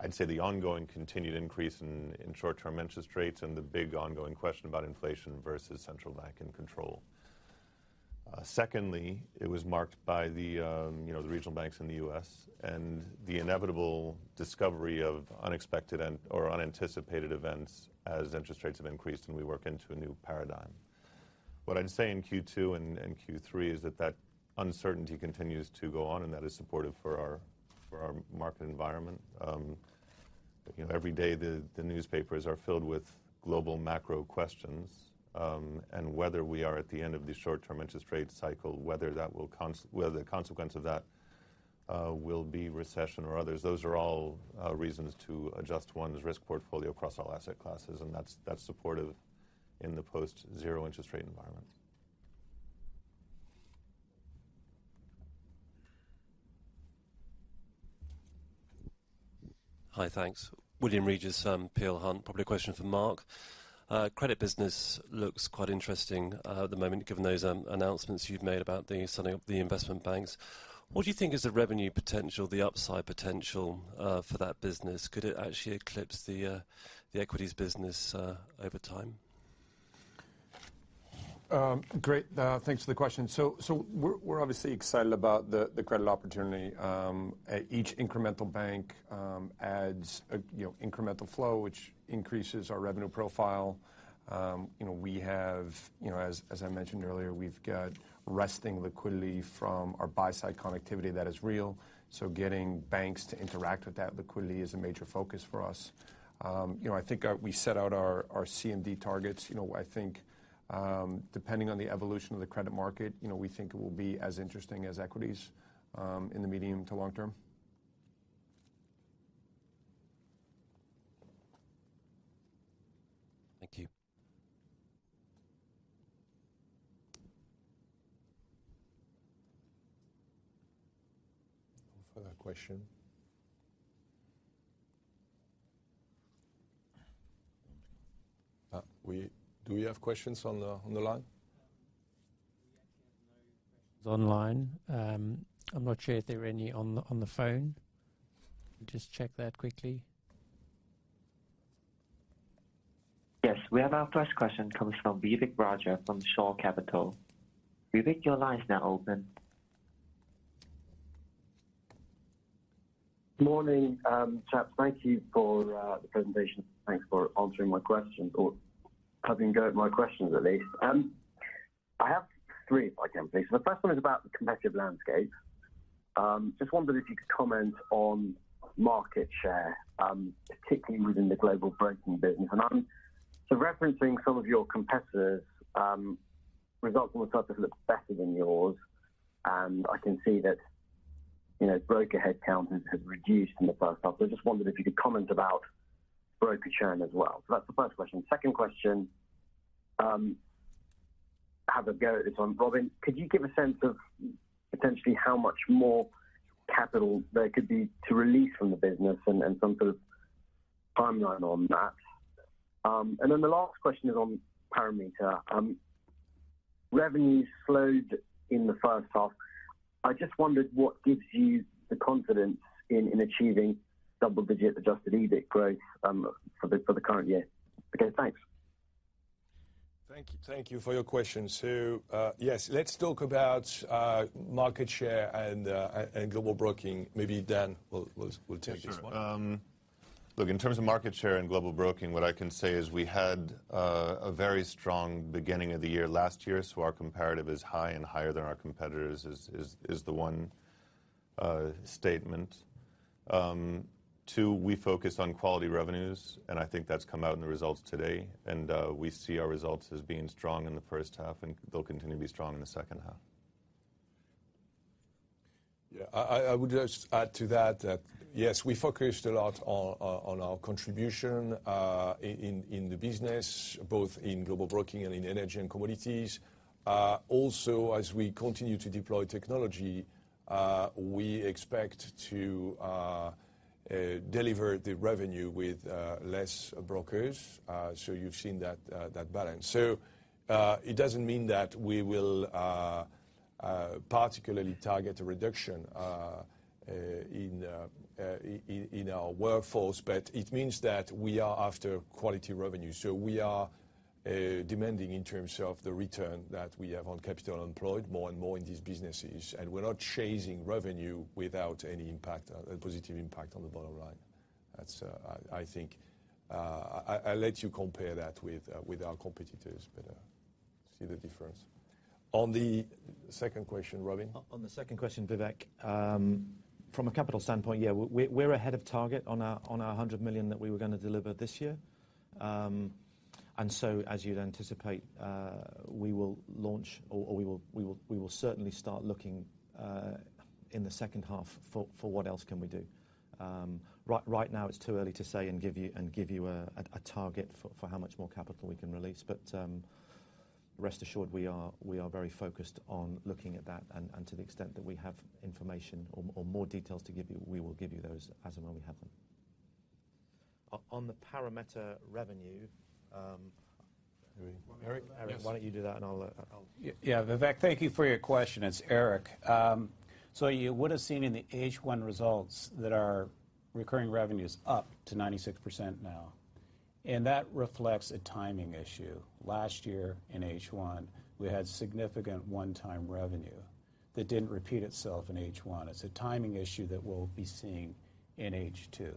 I'd say, the ongoing continued increase in, in short-term interest rates and the big ongoing question about inflation versus central bank and control. Secondly, it was marked by the, you know, the regional banks in the U.S. and the inevitable discovery of unexpected and/or unanticipated events as interest rates have increased, and we work into a new paradigm. What I'd say in Q2 and Q3 is that, that uncertainty continues to go on, that is supportive for our market environment. You know, every day, the, the newspapers are filled with global macro questions, and whether we are at the end of this short-term interest rate cycle, whether that will whether the consequence of that will be recession or others, those are all reasons to adjust one's risk portfolio across all asset classes, and that's, that's supportive in the post-zero interest rate environment. Hi, thanks. Will Regis, Peel Hunt. Probably a question for Mark. Credit business looks quite interesting at the moment, given those announcements you've made about the selling of the investment banks. What do you think is the revenue potential, the upside potential for that business? Could it actually eclipse the equities business over time? Great. Thanks for the question. We're obviously excited about the credit opportunity. Each incremental bank adds a, you know, incremental flow, which increases our revenue profile. You know, we have, you know, as I mentioned earlier, we've got resting liquidity from our buy-side connectivity that is real, so getting banks to interact with that liquidity is a major focus for us. You know, I think, we set out our CMD targets. You know, I think, depending on the evolution of the credit market, you know, we think it will be as interesting as equities in the medium to long term. Thank you. No further question. Do we have questions on the line? We actually have no questions online. I'm not sure if there are any on the, on the phone. I'll just check that quickly. Yes, we have our first question coming from Vivek Raja from Shore Capital. Vivek, your line is now open. Morning, chaps. Thank you for the presentation. Thanks for answering my questions or having a go at my questions at least. I have three, if I can please. The first one is about the competitive landscape. Just wondered if you could comment on market share, particularly within the Global Broking business, and So referencing some of your competitors, results more so look better than yours, and I can see that you know, broker headcounts have reduced in the first half. I just wondered if you could comment about broker churn as well. So that's the first question. Second question, have a go at this one. Robin, could you give a sense of potentially how much more capital there could be to release from the business and some sort of timeline on that? Then the last question is on Parameta. Revenues slowed in the first half. I just wondered what gives you the confidence in achieving double-digit adjusted EBIT growth for the current year? Okay, thanks. Thank you. Thank you for your questions. Yes, let's talk about market share and Global Broking. Maybe Dan will, will, will take this one. Sure. look, in terms of market share and Global Broking, what I can say is we had a very strong beginning of the year last year, so our comparative is high and higher than our competitors, is, is, is the one statement. Two, we focused on quality revenues, and I think that's come out in the results today, and we see our results as being strong in the first half, and they'll continue to be strong in the second half. Yeah, I would just add to that, that yes, we focused a lot on on our contribution in the business, both in Global Broking and in Energy & Commodities. As we continue to deploy technology, we expect to deliver the revenue with less brokers. You've seen that that balance. It doesn't mean that we will particularly target a reduction in our workforce, but it means that we are after quality revenue. We are demanding in terms of the return that we have on capital employed more and more in these businesses, and we're not chasing revenue without any impact, positive impact on the bottom line. That's I think. I'll let you compare that with, with our competitors, but see the difference. On the second question, Robin? On the second question, Vivek, from a capital standpoint, yeah, we're ahead of target on our, on our 100 million that we were gonna deliver this year. As you'd anticipate, we will launch or we will certainly start looking in the second half for what else can we do. Right now it's too early to say and give you a target for how much more capital we can release, but rest assured, we are very focused on looking at that, and to the extent that we have information or more details to give you, we will give you those as and when we have them. On the Parameta revenue, Eric. Yes. Eric, why don't you do that? Yeah, Vivek, thank you for your question. It's Eric. You would have seen in the H1 results that our recurring revenue is up to 96% now, that reflects a timing issue. Last year in H1, we had significant one-time revenue that didn't repeat itself in H1. It's a timing issue that we'll be seeing in H2.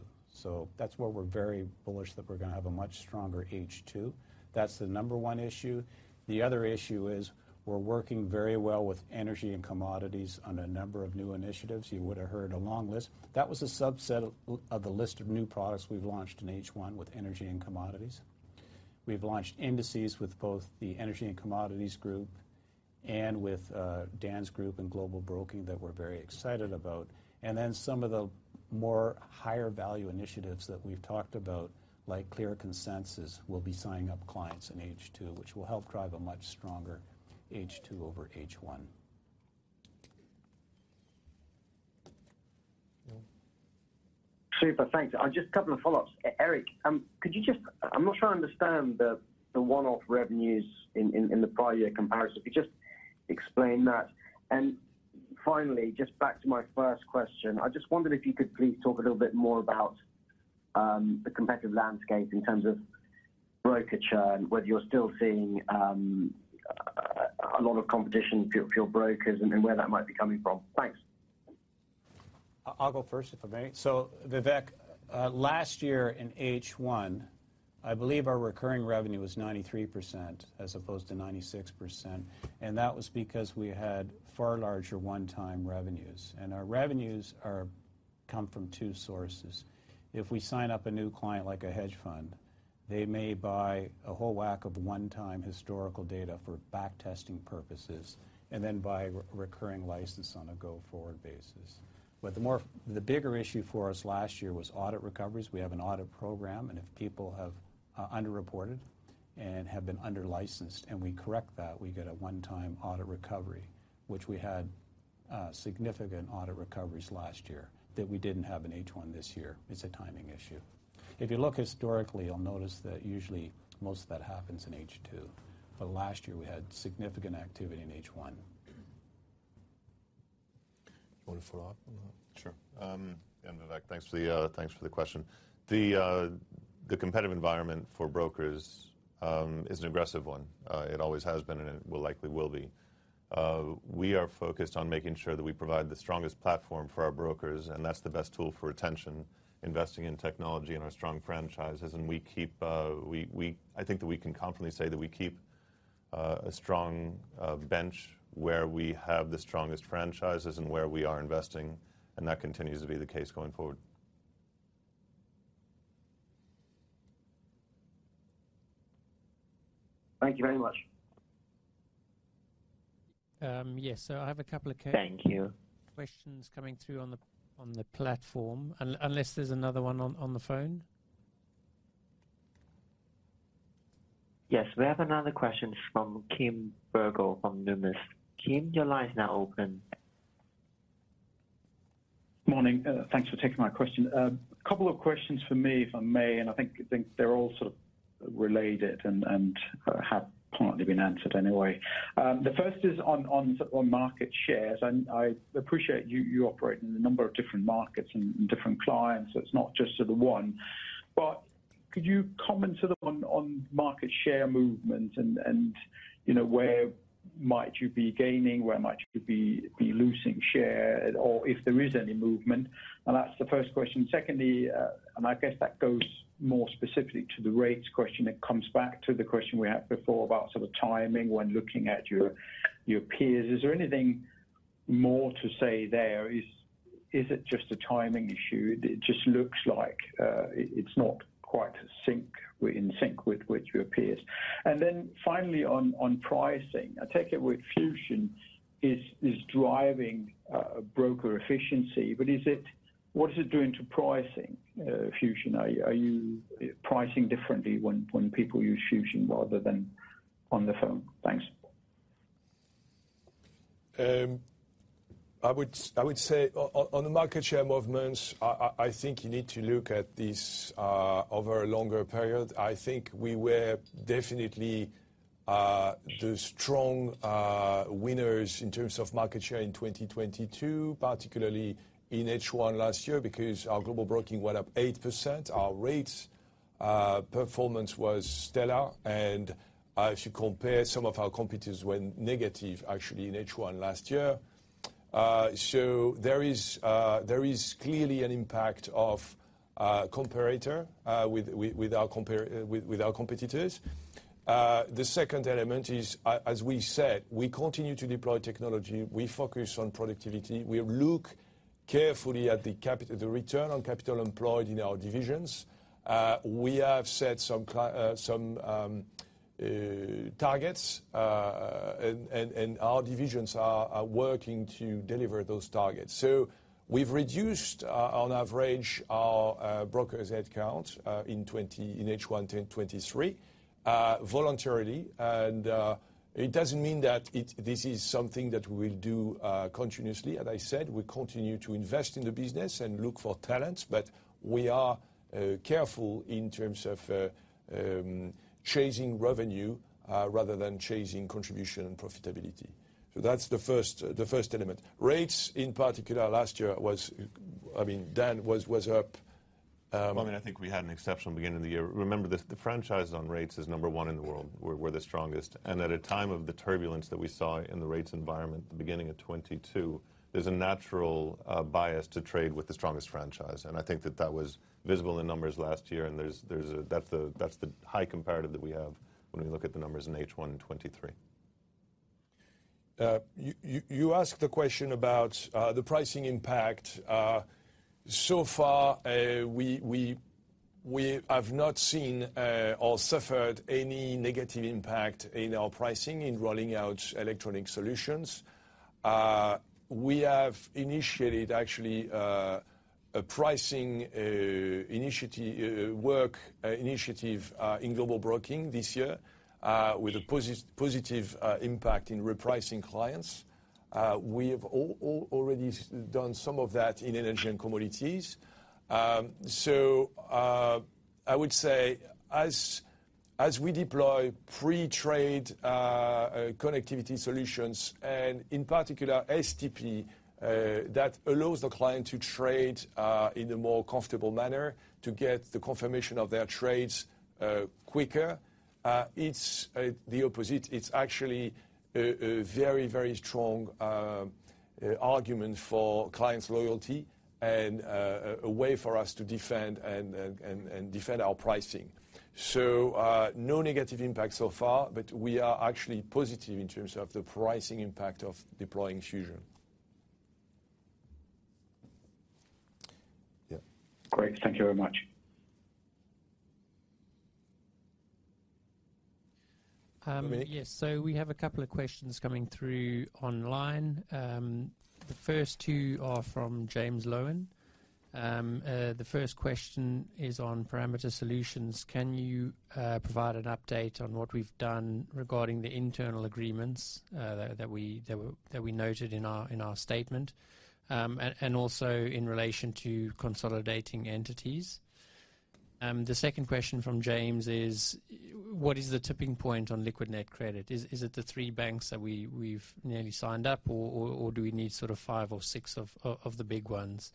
That's where we're very bullish that we're gonna have a much stronger H2. That's the number one issue. The other issue is, we're working very well with Energy & Commodities on a number of new initiatives. You would have heard a long list. That was a subset of, of the list of new products we've launched in H1 with Energy & Commodities. We've launched indices with both the Energy & Commodities group and with, Dan's group in Global Broking that we're very excited about. Then some of the more higher value initiatives that we've talked about, like ClearConsensus, we'll be signing up clients in H2, which will help drive a much stronger H2 over H1. No? Super, thanks. Just a couple of follow-ups. Eric, I'm not sure I understand the one-off revenues in the prior year comparison. Could you just explain that? Finally, just back to my first question, I just wondered if you could please talk a little bit more about the competitive landscape in terms of brokerage churn, whether you're still seeing a lot of competition for your brokers and where that might be coming from. Thanks. I'll go first, if I may. Vivek, last year in H1, I believe our recurring revenue was 93% as opposed to 96%, and that was because we had far larger one-time revenues, and our revenues come from two sources. If we sign up a new client, like a hedge fund, they may buy a whole whack of one-time historical data for back-testing purposes, and then buy recurring license on a go-forward basis. The more, the bigger issue for us last year was audit recoveries. We have an audit program, and if people have underreported and have been under-licensed, and we correct that, we get a one-time audit recovery, which we had significant audit recoveries last year that we didn't have in H1 this year. It's a timing issue. If you look historically, you'll notice that usually most of that happens in H2, but last year we had significant activity in H1. You want to follow up on that? Sure. Vivek, thanks for the, thanks for the question. The, the competitive environment for brokers, is an aggressive one. It always has been, and it will, likely will be. We are focused on making sure that we provide the strongest platform for our brokers, and that's the best tool for retention, investing in technology and our strong franchises. We keep, I think that we can confidently say that we keep, a strong, bench where we have the strongest franchises and where we are investing, and that continues to be the case going forward. Thank you very much. Yes, so I have a couple of. Thank you. Questions coming through on the, on the platform, unless there's another one on, on the phone? Yes, we have another question from Kim Bergoel, from Numis. Kim, your line is now open. Morning. Thanks for taking my question. A couple of questions from me, if I may, and I think, think they're all sort of related and, and have partly been answered anyway. The first is on, on, on market shares, and I appreciate you, you operate in a number of different markets and, and different clients, so it's not just to the one. Could you comment sort of on, on market share movement and, and, you know, where might you be gaining, where might you be, be losing share, or if there is any movement? That's the first question. Secondly, I guess that goes more specifically to the rates question, it comes back to the question we had before about sort of timing when looking at your, your peers. Is there anything more to say there? Is, is it just a timing issue? It just looks like, it's not quite sync with your peers. Then finally, on, on pricing. I take it with Fusion is, is driving, broker efficiency, but what is it doing to pricing, Fusion? Are you pricing differently when, when people use Fusion rather than on the phone? Thanks. I would say on the market share movements, I think you need to look at this over a longer period. I think we were definitely the strong winners in terms of market share in 2022, particularly in H1 last year, because our Global Broking went up 8%, our rates performance was stellar, and as you compare, some of our competitors went negative actually in H1 last year. There is clearly an impact of comparator with our competitors. The second element is as we said, we continue to deploy technology, we focus on productivity, we look carefully at the capital- the return on capital employed in our divisions. We have set some targets, and our divisions are working to deliver those targets. We've reduced, on average, our brokers' head count in 20, in H1 in 2023, voluntarily, and it doesn't mean that this is something that we'll do continuously. As I said, we continue to invest in the business and look for talents, but we are careful in terms of chasing revenue rather than chasing contribution and profitability. That's the first, the first element. Rates, in particular, last year, was, I mean, Dan, was up. Well, I mean, I think we had an exceptional beginning of the year. Remember, the franchise on rates is number one in the world. We're the strongest, at a time of the turbulence that we saw in the rates environment, the beginning of 2022, there's a natural bias to trade with the strongest franchise. I think that was visible in numbers last year. That's the high comparative that we have when we look at the numbers in H1 2023. You asked the question about the pricing impact. So far, we, we, we have not seen or suffered any negative impact in our pricing in rolling out electronic solutions. We have initiated actually a pricing initiative, work initiative, in Global Broking this year, with a positive impact in repricing clients. We have already done some of that in Energy & Commodities. I would say as, as we deploy pre-trade connectivity solutions, and in particular, STP, that allows the client to trade in a more comfortable manner to get the confirmation of their trades quicker, it's the opposite. It's actually a very, very strong argument for clients' loyalty and a way for us to defend and defend our pricing. No negative impact so far, but we are actually positive in terms of the pricing impact of deploying Fusion. Yeah. Great. Thank you very much. Yes. Dominic? We have a couple of questions coming through online. The first two are from James Lowen. The first question is on Parameta Solutions. Can you provide an update on what we've done regarding the internal agreements that we noted in our statement? Also in relation to consolidating entities. The second question from James is, what is the tipping point on Liquidnet Credit? Is it the three banks that we've nearly signed up, or do we need sort of five or six of the big ones?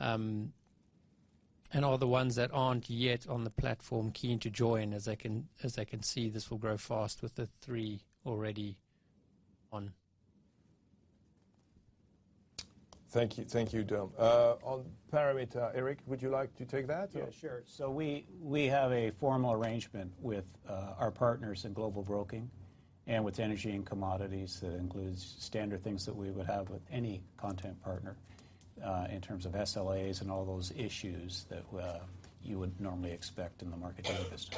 Are the ones that aren't yet on the platform keen to join as they can see this will grow fast with the three already on? Thank you. Thank you, Dom. On Parameta, Eric, would you like to take that or? Yeah, sure. We have a formal arrangement with our partners in Global Broking and with Energy & Commodities, that includes standard things that we would have with any content partner, in terms of SLAs and all those issues that, you would normally expect in the market industry.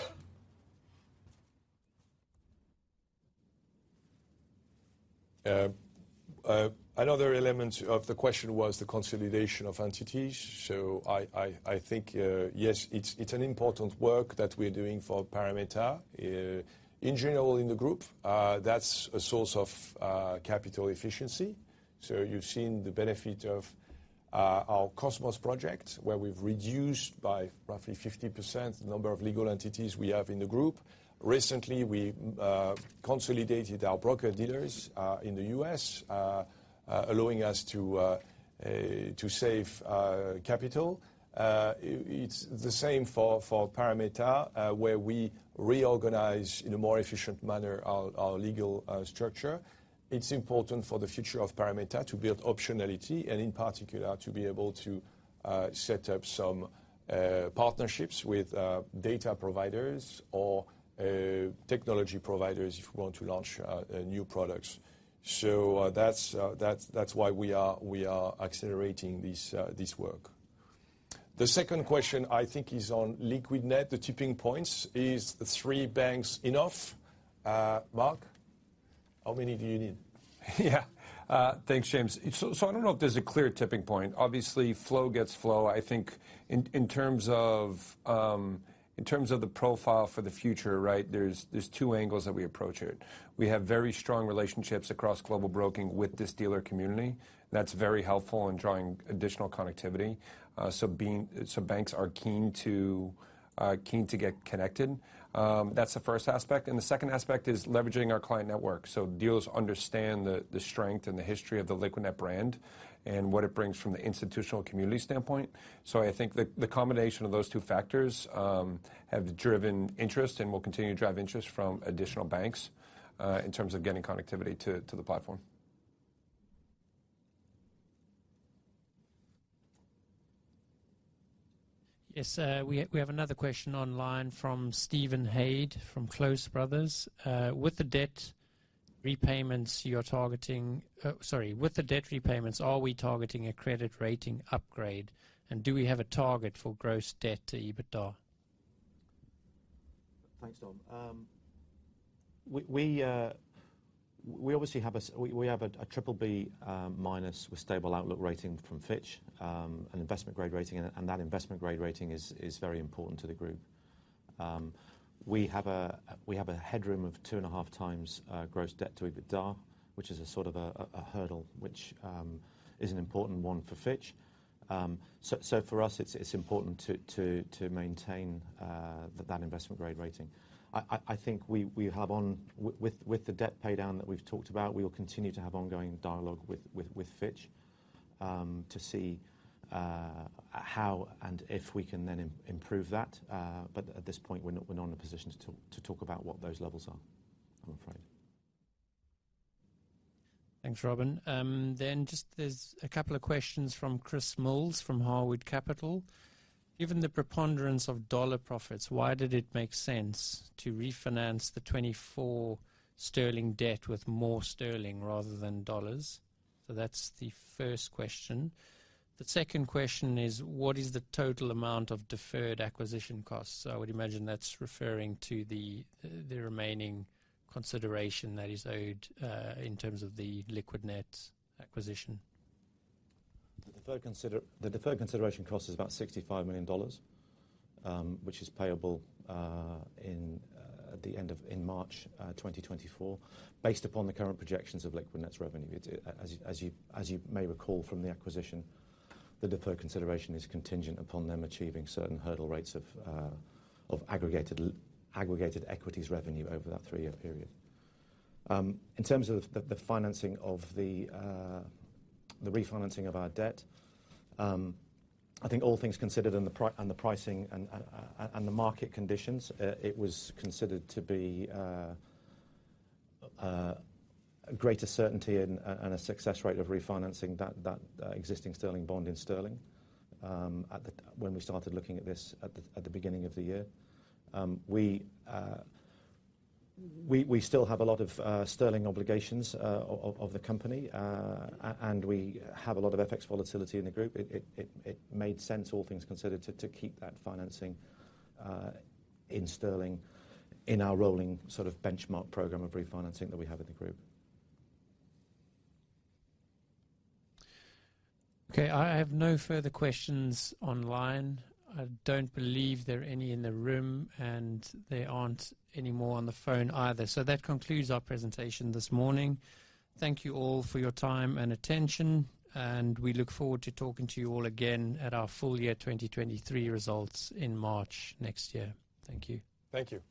Another element of the question was the consolidation of entities. I, I, I think, yes, it's, it's an important work that we're doing for Parameta. In general, in the group, that's a source of capital efficiency. You've seen the benefit of our Cosmos project, where we've reduced by roughly 50% the number of legal entities we have in the Group. Recently, we consolidated our broker dealers in the U.S., allowing us to save capital. It's the same for Parameta, where we reorganize, in a more efficient manner our legal structure. It's important for the future of Parameta to build optionality, and in particular, to be able to set up some partnerships with data providers or technology providers if we want to launch new products. That's why we are, we are accelerating this, this work. The second question, I think, is on Liquidnet. The tipping points, is three banks enough? Mark, how many do you need? Yeah. Thanks, James. So I don't know if there's a clear tipping point. Obviously, flow gets flow. I think in terms of, in terms of the profile for the future, right? There's, there's two angles that we approach it. We have very strong relationships across Global Broking with this dealer community. That's very helpful in drawing additional connectivity. Banks are keen to keen to get connected. That's the first aspect, and the second aspect is leveraging our client network. Dealers understand the, the strength and the history of the Liquidnet brand, and what it brings from the institutional community standpoint. I think the, the combination of those two factors have driven interest and will continue to drive interest from additional banks in terms of getting connectivity to, to the platform. Yes, we, we have another question online from Stephen Hayde, from Close Brothers. With the debt repayments you're targeting... sorry, with the debt repayments, are we targeting a credit rating upgrade, and do we have a target for gross debt to EBITDA? Thanks, Don. We, we, we obviously have a, we, we have a BBB- with stable outlook rating from Fitch, an investment-grade rating, and that investment-grade rating is, is very important to the group. We have a, we have a headroom of 2.5x gross debt to EBITDA, which is a sort of a hurdle, which is an important one for Fitch. For us, it's, it's important to, to, to maintain that investment-grade rating. I think we have on, with the debt paydown that we've talked about, we will continue to have ongoing dialogue with, with, with Fitch, to see how and if we can then improve that. At this point, we're not, we're not in a position to, to talk about what those levels are, I'm afraid. Thanks, Robin. Just there's a couple of questions from Chris Mills, from Harwood Capital. Given the preponderance of dollar profits, why did it make sense to refinance the 2024 Sterling debt with more Sterling rather than dollars? That's the first question. The second question is, what is the total amount of deferred acquisition costs? I would imagine that's referring to the remaining consideration that is owed in terms of the Liquidnet acquisition. The deferred consideration cost is about $65 million, which is payable in at the end of March 2024, based upon the current projections of Liquidnet's revenue. As you, as you, as you may recall from the acquisition, the deferred consideration is contingent upon them achieving certain hurdle rates of aggregated equities revenue over that three-year period. In terms of the, the financing of the refinancing of our debt, I think all things considered and the pricing and the market conditions, it was considered to be a greater certainty and a success rate of refinancing that existing sterling bond in sterling. When we started looking at this at the beginning of the year. We still have a lot of sterling obligations, of the company, and we have a lot of FX volatility in the group. It made sense, all things considered, to keep that financing in sterling, in our rolling sort of benchmark program of refinancing that we have in the Group. Okay, I have no further questions online. I don't believe there are any in the room. There aren't any more on the phone either. That concludes our presentation this morning. Thank you all for your time and attention. We look forward to talking to you all again at our full year 2023 results in March next year. Thank you. Thank you.